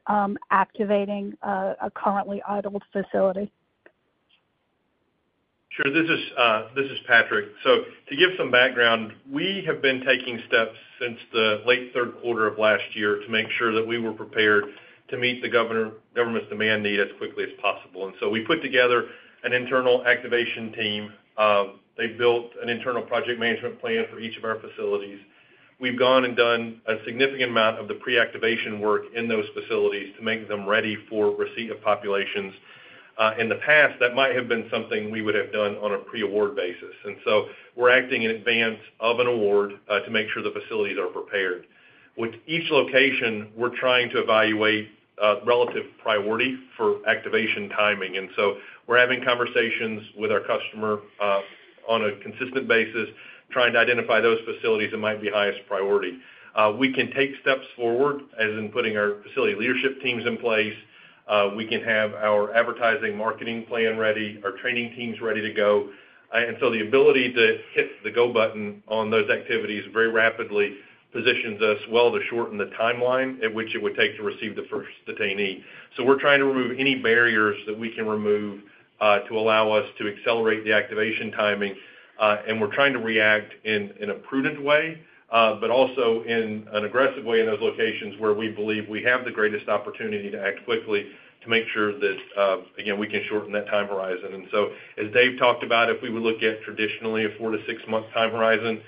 activating a currently idled facility? Sure. This is Patrick. So to give some background, we have been taking steps since the late third quarter of last year to make sure that we were prepared to meet the government's demand need as quickly as possible. And so we put together an internal activation team. They built an internal project management plan for each of our facilities. We've gone and done a significant amount of the pre-activation work in those facilities to make them ready for receipt of populations. In the past, that might have been something we would have done on a pre-award basis. And so we're acting in advance of an award to make sure the facilities are prepared. With each location, we're trying to evaluate relative priority for activation timing. And so we're having conversations with our customer on a consistent basis, trying to identify those facilities that might be highest priority. We can take steps forward, as in putting our facility leadership teams in place. We can have our advertising marketing plan ready, our training teams ready to go. And so the ability to hit the go button on those activities very rapidly positions us well to shorten the timeline at which it would take to receive the first detainee. So we're trying to remove any barriers that we can remove to allow us to accelerate the activation timing. And we're trying to react in a prudent way, but also in an aggressive way in those locations where we believe we have the greatest opportunity to act quickly to make sure that, again, we can shorten that time horizon. And so, as Dave talked about, if we would look at traditionally a 4-6 month time horizon,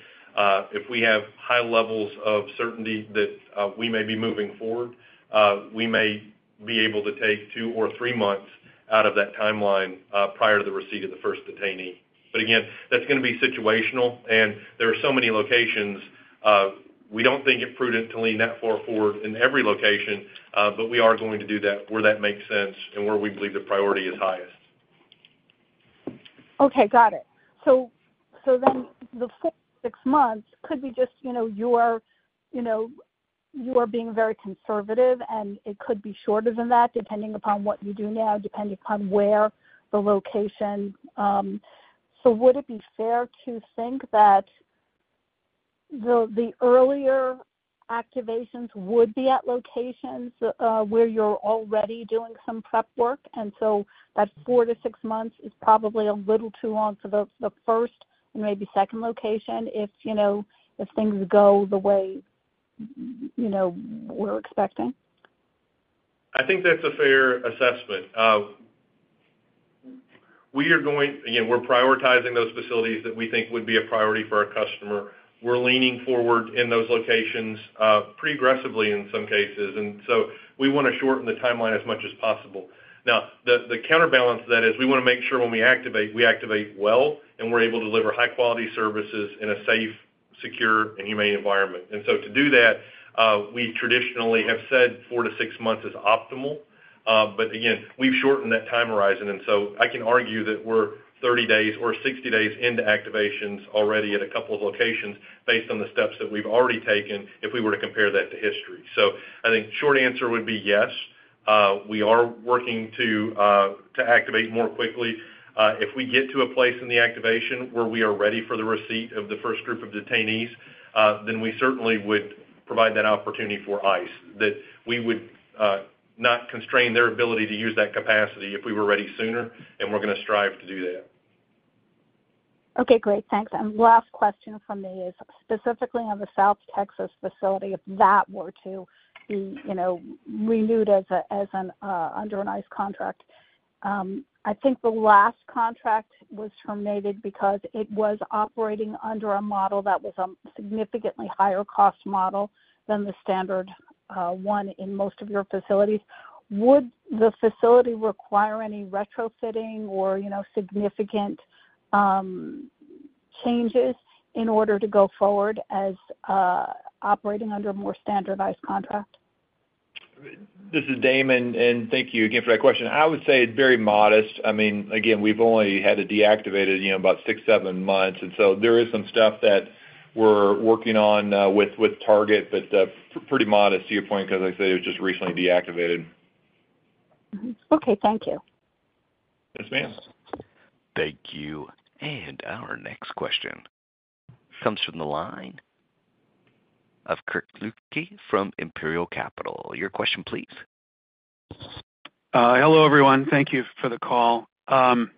if we have high levels of certainty that we may be moving forward, we may be able to take two or three months out of that timeline prior to the receipt of the first detainee. But again, that's going to be situational. And there are so many locations. We don't think it's prudent to lean that far forward in every location, but we are going to do that where that makes sense and where we believe the priority is highest. Okay. Got it. So then the 4-6 months could be just you are being very conservative, and it could be shorter than that depending upon what you do now, depending upon where the location. So would it be fair to think that the earlier activations would be at locations where you're already doing some prep work, and so that four to six months is probably a little too long for the first and maybe second location if things go the way we're expecting. I think that's a fair assessment. Again, we're prioritizing those facilities that we think would be a priority for our customer. We're leaning forward in those locations pretty aggressively in some cases. And so we want to shorten the timeline as much as possible. Now, the counterbalance to that is we want to make sure when we activate, we activate well and we're able to deliver high-quality services in a safe, secure, and humane environment. And so to do that, we traditionally have said four to six months is optimal. But again, we've shortened that time horizon. And so I can argue that we're 30 days or 60 days into activations already at a couple of locations based on the steps that we've already taken if we were to compare that to history. So I think short answer would be yes. We are working to activate more quickly. If we get to a place in the activation where we are ready for the receipt of the first group of detainees, then we certainly would provide that opportunity for ICE, that we would not constrain their ability to use that capacity if we were ready sooner. And we're going to strive to do that. Okay. Great. Thanks. And last question for me is specifically on the South Texas facility, if that were to be renewed under an ICE contract, I think the last contract was terminated because it was operating under a model that was a significantly higher-cost model than the standard one in most of your facilities. Would the facility require any retrofitting or significant changes in order to go forward as operating under a more standardized contract? This is Damon. And thank you again for that question. I would say it's very modest. I mean, again, we've only had it deactivated about six, seven months. And so there is some stuff that we're working on with Target, but pretty modest to your point because, like I said, it was just recently deactivated. Okay. Thank you. Yes, ma'am. Thank you. And our next question comes from the line of Kirk Ludtke from Imperial Capital. Your question, please. Hello, everyone. Thank you for the call. Can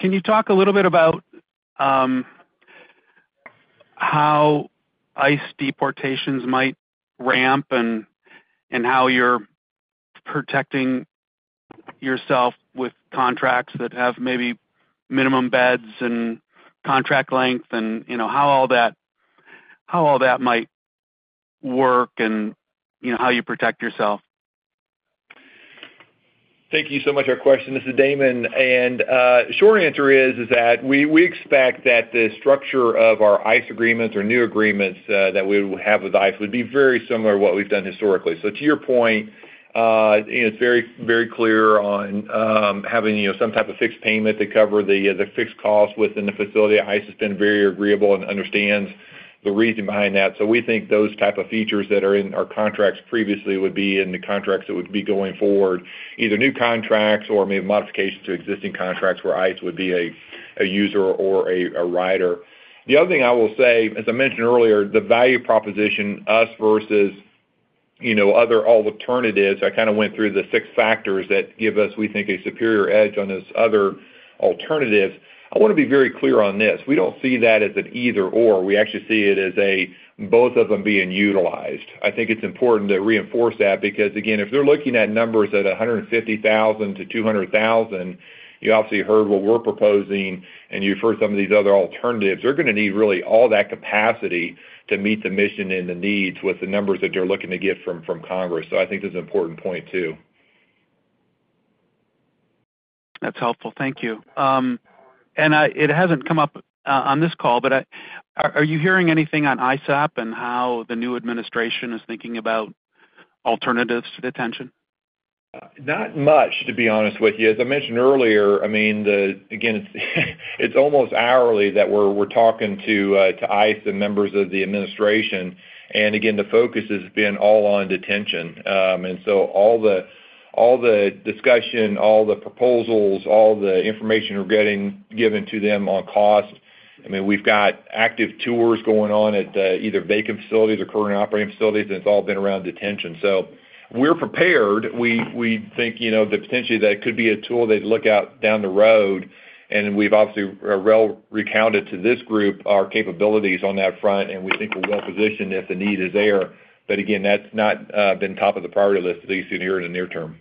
you talk a little bit about how ICE deportations might ramp and how you're protecting yourself with contracts that have maybe minimum beds and contract length and how all that might work and how you protect yourself? Thank you so much for your question. This is Damon, and short answer is that we expect that the structure of our ICE agreements or new agreements that we have with ICE would be very similar to what we've done historically. So, to your point, it's very clear on having some type of fixed payment to cover the fixed cost within the facility. ICE has been very agreeable and understands the reason behind that. So we think those types of features that are in our contracts previously would be in the contracts that would be going forward, either new contracts or maybe modifications to existing contracts where ICE would be a user or a rider. The other thing I will say, as I mentioned earlier, the value proposition, us versus other alternatives, I kind of went through the six factors that give us, we think, a superior edge on those other alternatives. I want to be very clear on this. We don't see that as an either/or. We actually see it as both of them being utilized. I think it's important to reinforce that because, again, if they're looking at numbers at 150,000-200,000, you obviously heard what we're proposing and you've heard some of these other alternatives. They're going to need really all that capacity to meet the mission and the needs with the numbers that they're looking to get from Congress. So I think that's an important point too. That's helpful. Thank you. And it hasn't come up on this call, but are you hearing anything on ISAP and how the new administration is thinking about alternatives to detention? Not much, to be honest with you. As I mentioned earlier, I mean, again, it's almost hourly that we're talking to ICE and members of the administration. And again, the focus has been all on detention. And so all the discussion, all the proposals, all the information we're getting given to them on cost, I mean, we've got active tours going on at either vacant facilities or current operating facilities, and it's all been around detention. So we're prepared. We think that potentially that could be a tool they'd look at down the road. And we've obviously well recounted to this group our capabilities on that front, and we think we're well positioned if the need is there. But again, that's not been top of the priority list at least here in the near term.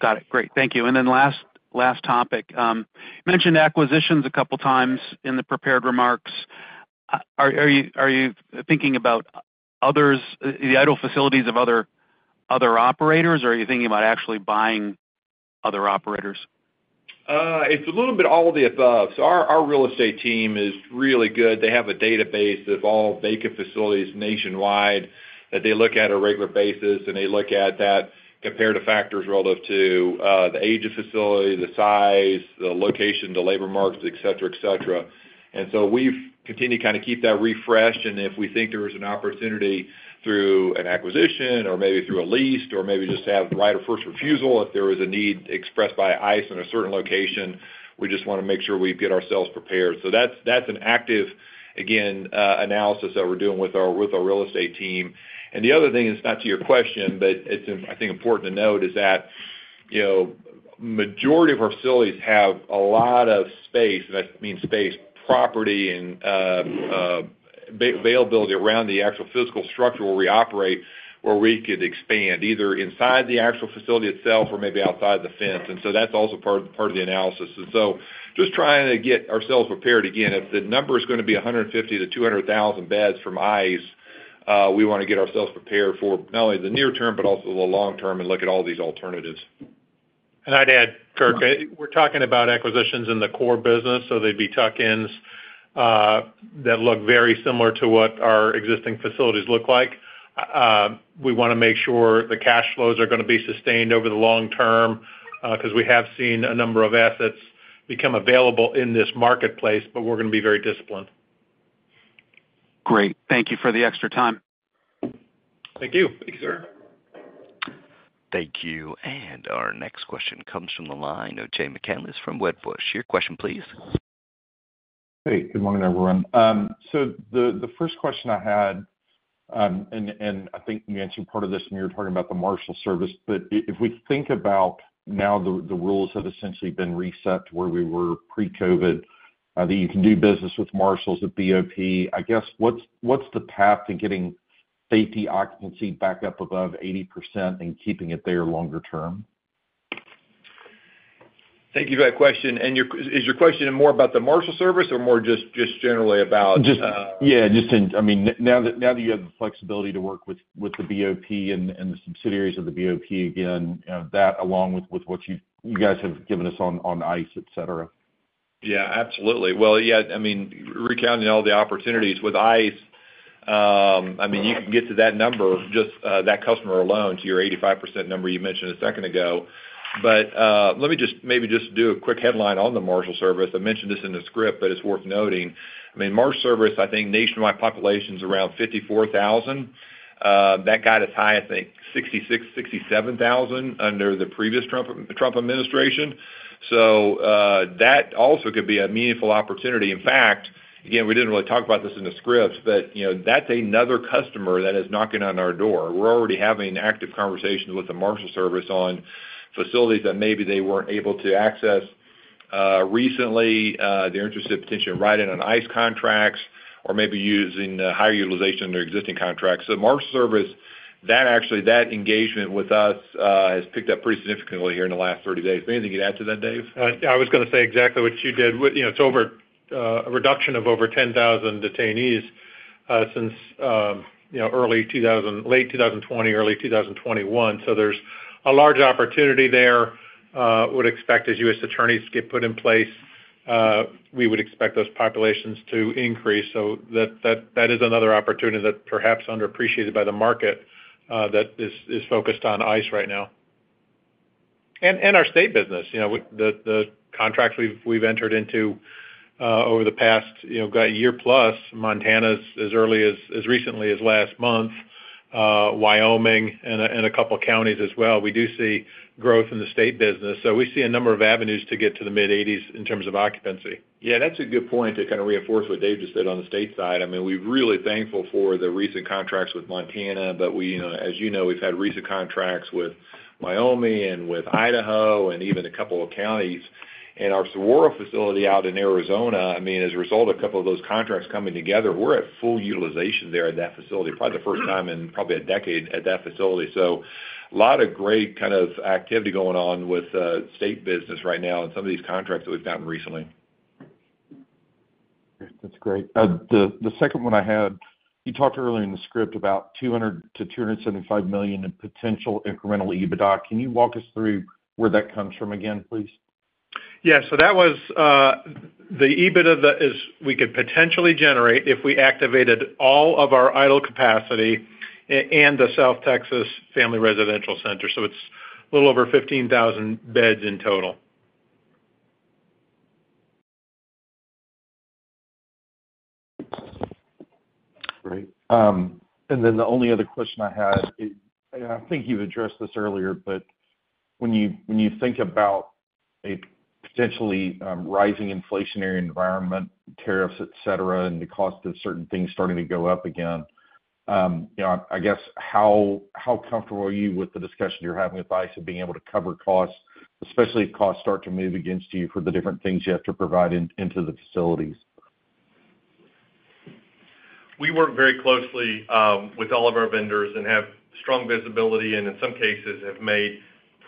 Got it. Great. Thank you. And then last topic, you mentioned acquisitions a couple of times in the prepared remarks. Are you thinking about the idle facilities of other operators, or are you thinking about actually buying other operators? It's a little bit all of the above. Our real estate team is really good. They have a database of all vacant facilities nationwide that they look at on a regular basis, and they look at that, compare the factors relative to the age of facility, the size, the location, the labor markets, etc., etc. And so we've continued to kind of keep that refreshed. And if we think there is an opportunity through an acquisition or maybe through a lease or maybe just have right of first refusal, if there is a need expressed by ICE in a certain location, we just want to make sure we get ourselves prepared. That's an active, again, analysis that we're doing with our real estate team. And the other thing is, not to your question, but I think important to note is that the majority of our facilities have a lot of space, and that means space, property, and availability around the actual physical structure where we operate where we could expand either inside the actual facility itself or maybe outside the fence. And so that's also part of the analysis. And so just trying to get ourselves prepared. Again, if the number is going to be 150,000-200,000 beds from ICE, we want to get ourselves prepared for not only the near term but also the long term and look at all these alternatives. And I'd add, Kirk, we're talking about acquisitions in the core business, so they'd be tuck-ins that look very similar to what our existing facilities look like. We want to make sure the cash flows are going to be sustained over the long term because we have seen a number of assets become available in this marketplace, but we're going to be very disciplined. Great. Thank you for the extra time. Thank you. Thank you, sir. Thank you. And our next question comes from the line of Jay McCanless from Wedbush. Your question, please. Hey. Good morning, everyone. So the first question I had, and I think you answered part of this when you were talking about the Marshals Service, but if we think about now the rules have essentially been reset to where we were pre-COVID, that you can do business with Marshals at BOP, I guess what's the path to getting facility occupancy back up above 80% and keeping it there longer term? Thank you for that question. Is your question more about the Marshals Service or more just generally about? Yeah. I mean, now that you have the flexibility to work with the BOP and the subsidiaries of the BOP, again, that along with what you guys have given us on ICE, etc.? Yeah. Absolutely. Yeah, I mean, recounting all the opportunities with ICE, I mean, you can get to that number, just that customer alone, to your 85% number you mentioned a second ago. Let me just maybe just do a quick headline on the Marshals Service. I mentioned this in the script, but it's worth noting. I mean, Marshals Service, I think nationwide population is around 54,000. That got as high as 66,000, 67,000 under the previous Trump administration. That also could be a meaningful opportunity. In fact, again, we didn't really talk about this in the script, but that's another customer that is knocking on our door. We're already having active conversations with the Marshals Service on facilities that maybe they weren't able to access recently. Their interest in potentially writing on ICE contracts or maybe using higher utilization of their existing contracts. So Marshals Service, that engagement with us has picked up pretty significantly here in the last 30 days. Anything you'd add to that, Dave? I was going to say exactly what you did. It's a reduction of over 10,000 detainees since late 2020, early 2021. So there's a large opportunity there. We would expect as U.S. Attorneys get put in place, we would expect those populations to increase. So that is another opportunity that's perhaps underappreciated by the market that is focused on ICE right now. And our state business, the contracts we've entered into over the past year-plus, Montana as recently as last month, Wyoming, and a couple of counties as well. We do see growth in the state business. So we see a number of avenues to get to the mid-80s in terms of occupancy. Yeah. That's a good point to kind of reinforce what Dave just said on the state side. I mean, we're really thankful for the recent contracts with Montana, but as you know, we've had recent contracts with Wyoming and with Idaho and even a couple of counties. And our Saguaro facility out in Arizona, I mean, as a result of a couple of those contracts coming together, we're at full utilization there at that facility, probably the first time in probably a decade at that facility. So a lot of great kind of activity going on with state business right now and some of these contracts that we've gotten recently. That's great. The second one I had, you talked earlier in the script about $200 million-$275 million in potential incremental EBITDA. Can you walk us through where that comes from again, please? Yeah. So that was the EBITDA that we could potentially generate if we activated all of our idle capacity and the South Texas Family Residential Center. So it's a little over 15,000 beds in total. Great. And then the only other question I had, and I think you've addressed this earlier, but when you think about a potentially rising inflationary environment, tariffs, etc., and the cost of certain things starting to go up again, I guess how comfortable are you with the discussion you're having with ICE of being able to cover costs, especially if costs start to move against you for the different things you have to provide into the facilities? We work very closely with all of our vendors and have strong visibility and, in some cases, have made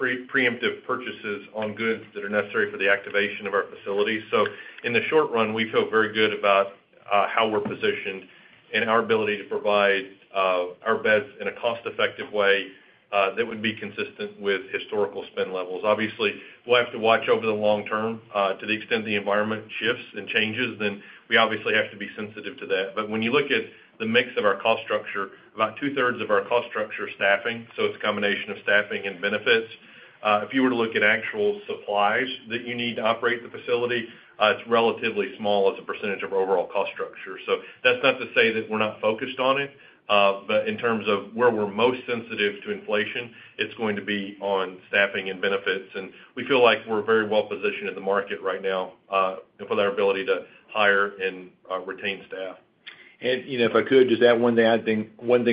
preemptive purchases on goods that are necessary for the activation of our facilities. So in the short run, we feel very good about how we're positioned and our ability to provide our beds in a cost-effective way that would be consistent with historical spend levels. Obviously, we'll have to watch over the long term. To the extent the environment shifts and changes, then we obviously have to be sensitive to that. But when you look at the mix of our cost structure, about two-thirds of our cost structure is staffing. So it's a combination of staffing and benefits. If you were to look at actual supplies that you need to operate the facility, it's relatively small as a percentage of our overall cost structure. So that's not to say that we're not focused on it, but in terms of where we're most sensitive to inflation, it's going to be on staffing and benefits. And we feel like we're very well positioned in the market right now for our ability to hire and retain staff. And if I could, just one thing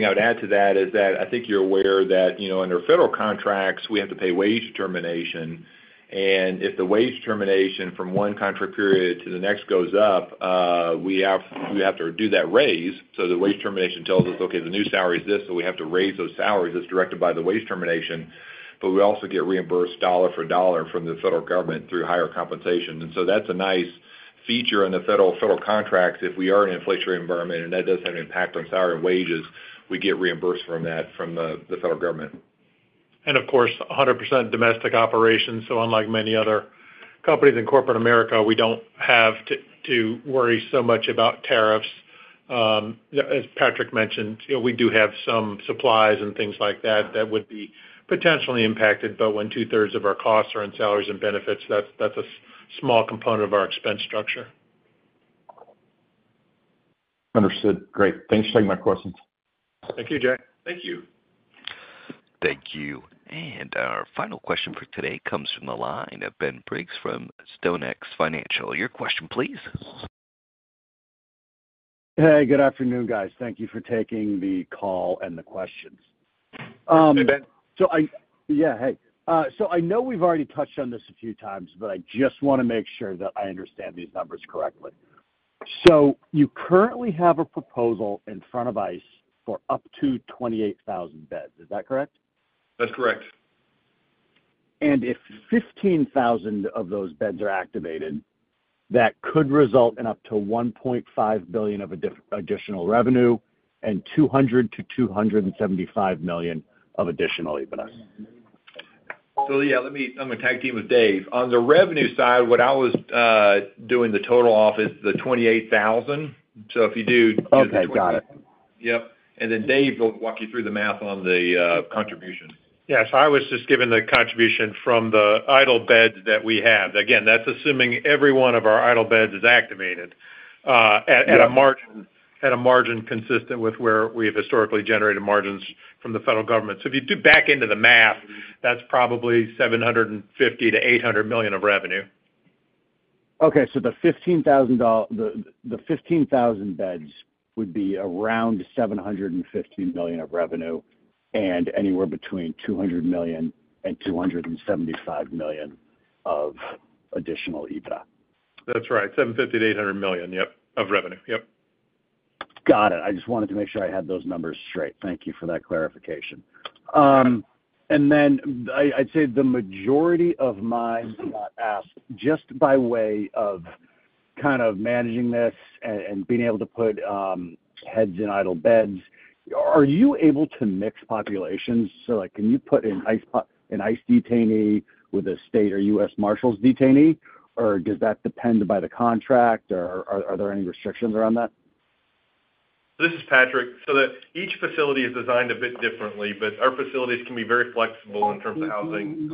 I would add to that is that I think you're aware that under federal contracts, we have to pay wage determination. And if the wage determination from one contract period to the next goes up, we have to do that raise. So the wage determination tells us, "Okay, the new salary is this," so we have to raise those salaries as directed by the wage determination. But we also get reimbursed dollar for dollar from the federal government through higher compensation. And so that's a nice feature in the federal contracts if we are in an inflationary environment, and that does have an impact on salary and wages. We get reimbursed from that from the federal government. And of course, 100% domestic operations. So unlike many other companies in corporate America, we don't have to worry so much about tariffs. As Patrick mentioned, we do have some supplies and things like that that would be potentially impacted. But when 2/3 of our costs are in salaries and benefits, that's a small component of our expense structure. Understood. Great. Thanks for taking my questions. Thank you, Jay. Thank you. Thank you. And our final question for today comes from the line of Ben Briggs from StoneX Financial. Your question, please. Hey, good afternoon, guys. Thank you for taking the call and the questions. Hey, Ben. Yeah, hey. So I know we've already touched on this a few times, but I just want to make sure that I understand these numbers correctly. So you currently have a proposal in front of ICE for up to 28,000 beds. Is that correct? That's correct. And if 15,000 of those beds are activated, that could result in up to $1.5 billion of additional revenue and $200 million-$275 million of additional EBITDA. So yeah, I'm going to tag team with Dave. On the revenue side, what I was doing the total off is the 28,000. So if you do. Oh, okay. Got it. Yep. And then Dave will walk you through the math on the contribution. Yeah. So I was just given the contribution from the idle beds that we have. Again, that's assuming every one of our idle beds is activated at a margin consistent with where we've historically generated margins from the federal government. So if you do back into the math, that's probably $750 million-$800 million of revenue. Okay. So the 15,000 beds would be around $750 million of revenue and anywhere between $200 million and $275 million of additional EBITDA. That's right. $750 million-$800 million, yep, of revenue. Yep. Got it. I just wanted to make sure I had those numbers straight. Thank you for that clarification. And then I'd say the majority of my thoughts as to, just by way of kind of managing this and being able to put heads in idle beds, are you able to mix populations? So can you put in an ICE detainee with a state or U.S. Marshals detainee, or does that depend on the contract, or are there any restrictions around that? This is Patrick. So each facility is designed a bit differently, but our facilities can be very flexible in terms of housing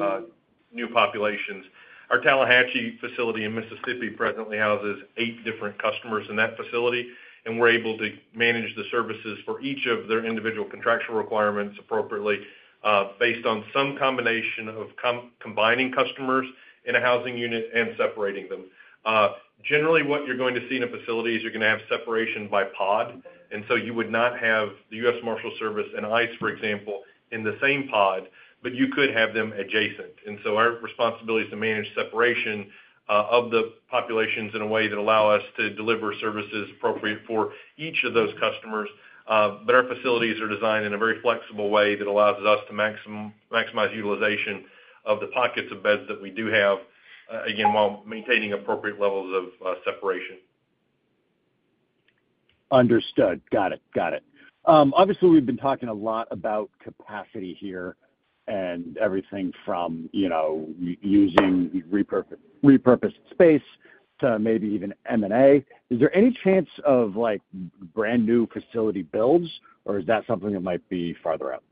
new populations. Our Tallahatchie facility in Mississippi presently houses eight different customers in that facility, and we're able to manage the services for each of their individual contractual requirements appropriately based on some combination of combining customers in a housing unit and separating them. Generally, what you're going to see in a facility is you're going to have separation by pod. And so you would not have the U.S. Marshals Service and ICE, for example, in the same pod, but you could have them adjacent. And so our responsibility is to manage separation of the populations in a way that allows us to deliver services appropriate for each of those customers. But our facilities are designed in a very flexible way that allows us to maximize utilization of the pockets of beds that we do have, again, while maintaining appropriate levels of separation. Understood. Got it. Got it. Obviously, we've been talking a lot about capacity here and everything from using repurposed space to maybe even M&A. Is there any chance of brand new facility builds, or is that something that might be farther out?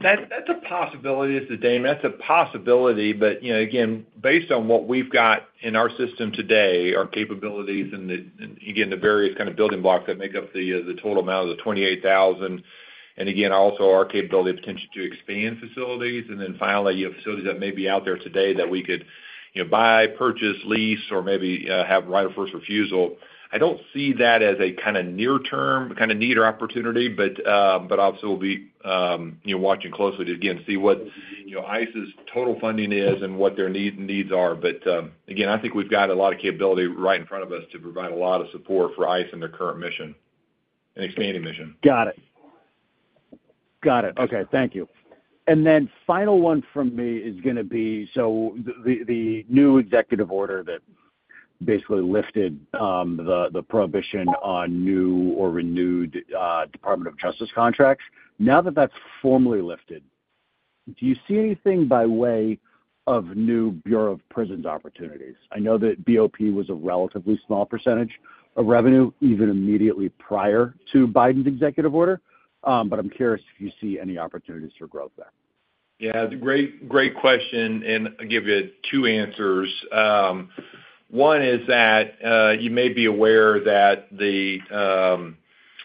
That's a possibility, Mr. Damon. That's a possibility. But again, based on what we've got in our system today, our capabilities, and again, the various kind of building blocks that make up the total amount of the 28,000, and again, also our capability of potentially expanding facilities, and then finally, facilities that may be out there today that we could buy, purchase, lease, or maybe have right of first refusal. I don't see that as a kind of near-term, kind of nearer opportunity, but obviously, we'll be watching closely to, again, see what ICE's total funding is and what their needs are. But again, I think we've got a lot of capability right in front of us to provide a lot of support for ICE and their current mission and expanding mission. Got it. Got it. Okay. Thank you. And then final one from me is going to be so the new Executive Order that basically lifted the prohibition on new or renewed Department of Justice contracts. Now that that's formally lifted, do you see anything by way of new Bureau of Prisons opportunities? I know that BOP was a relatively small percentage of revenue, even immediately prior to Biden's Executive Order, but I'm curious if you see any opportunities for growth there. Yeah. It's a great question. And I'll give you two answers. One is that you may be aware that the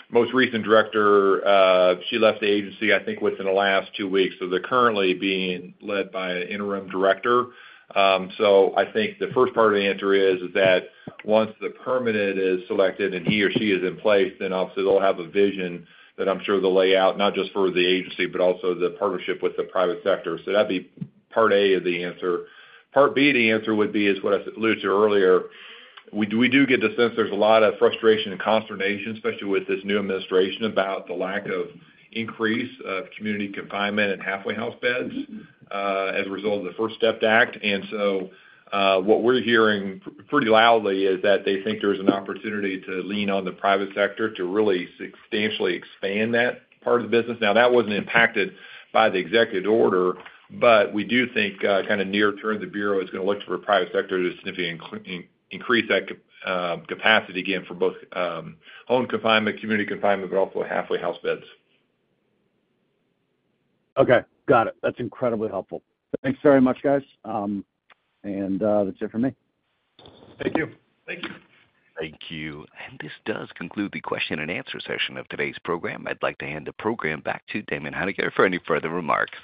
most recent director, she left the agency, I think, within the last two weeks. So they're currently being led by an interim director. So I think the first part of the answer is that once the permanent is selected and he or she is in place, then obviously, they'll have a vision that I'm sure they'll lay out, not just for the agency, but also the partnership with the private sector. So that'd be part A of the answer. Part B, the answer would be, is what I alluded to earlier. We do get the sense there's a lot of frustration and consternation, especially with this new administration, about the lack of increase of community confinement and halfway house beds as a result of the First Step Act. And so what we're hearing pretty loudly is that they think there's an opportunity to lean on the private sector to really substantially expand that part of the business. Now, that wasn't impacted by the Executive Order, but we do think kind of near-term, the Bureau is going to look to the private sector to significantly increase that capacity, again, for both home confinement, community confinement, but also halfway house beds. Okay. Got it. That's incredibly helpful. Thanks very much, guys. And that's it from me. Thank you. Thank you. Thank you. And this does conclude the question-and-answer session of today's program. I'd like to hand the program back to Damon Hininger for any further remarks.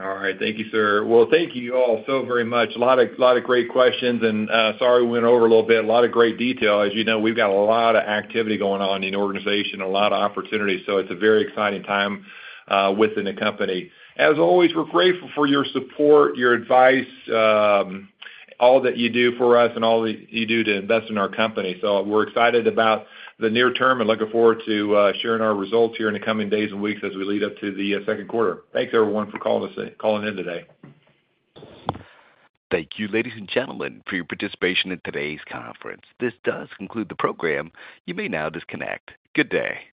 All right. Thank you, sir. Well, thank you all so very much. A lot of great questions, and sorry we went over a little bit. A lot of great detail. As you know, we've got a lot of activity going on in the organization, a lot of opportunities. So it's a very exciting time within the company. As always, we're grateful for your support, your advice, all that you do for us, and all that you do to invest in our company. So we're excited about the near term and looking forward to sharing our results here in the coming days and weeks as we lead up to the second quarter. Thanks, everyone, for calling in today. Thank you, ladies and gentlemen, for your participation in today's conference. This does conclude the program. You may now disconnect. Good day.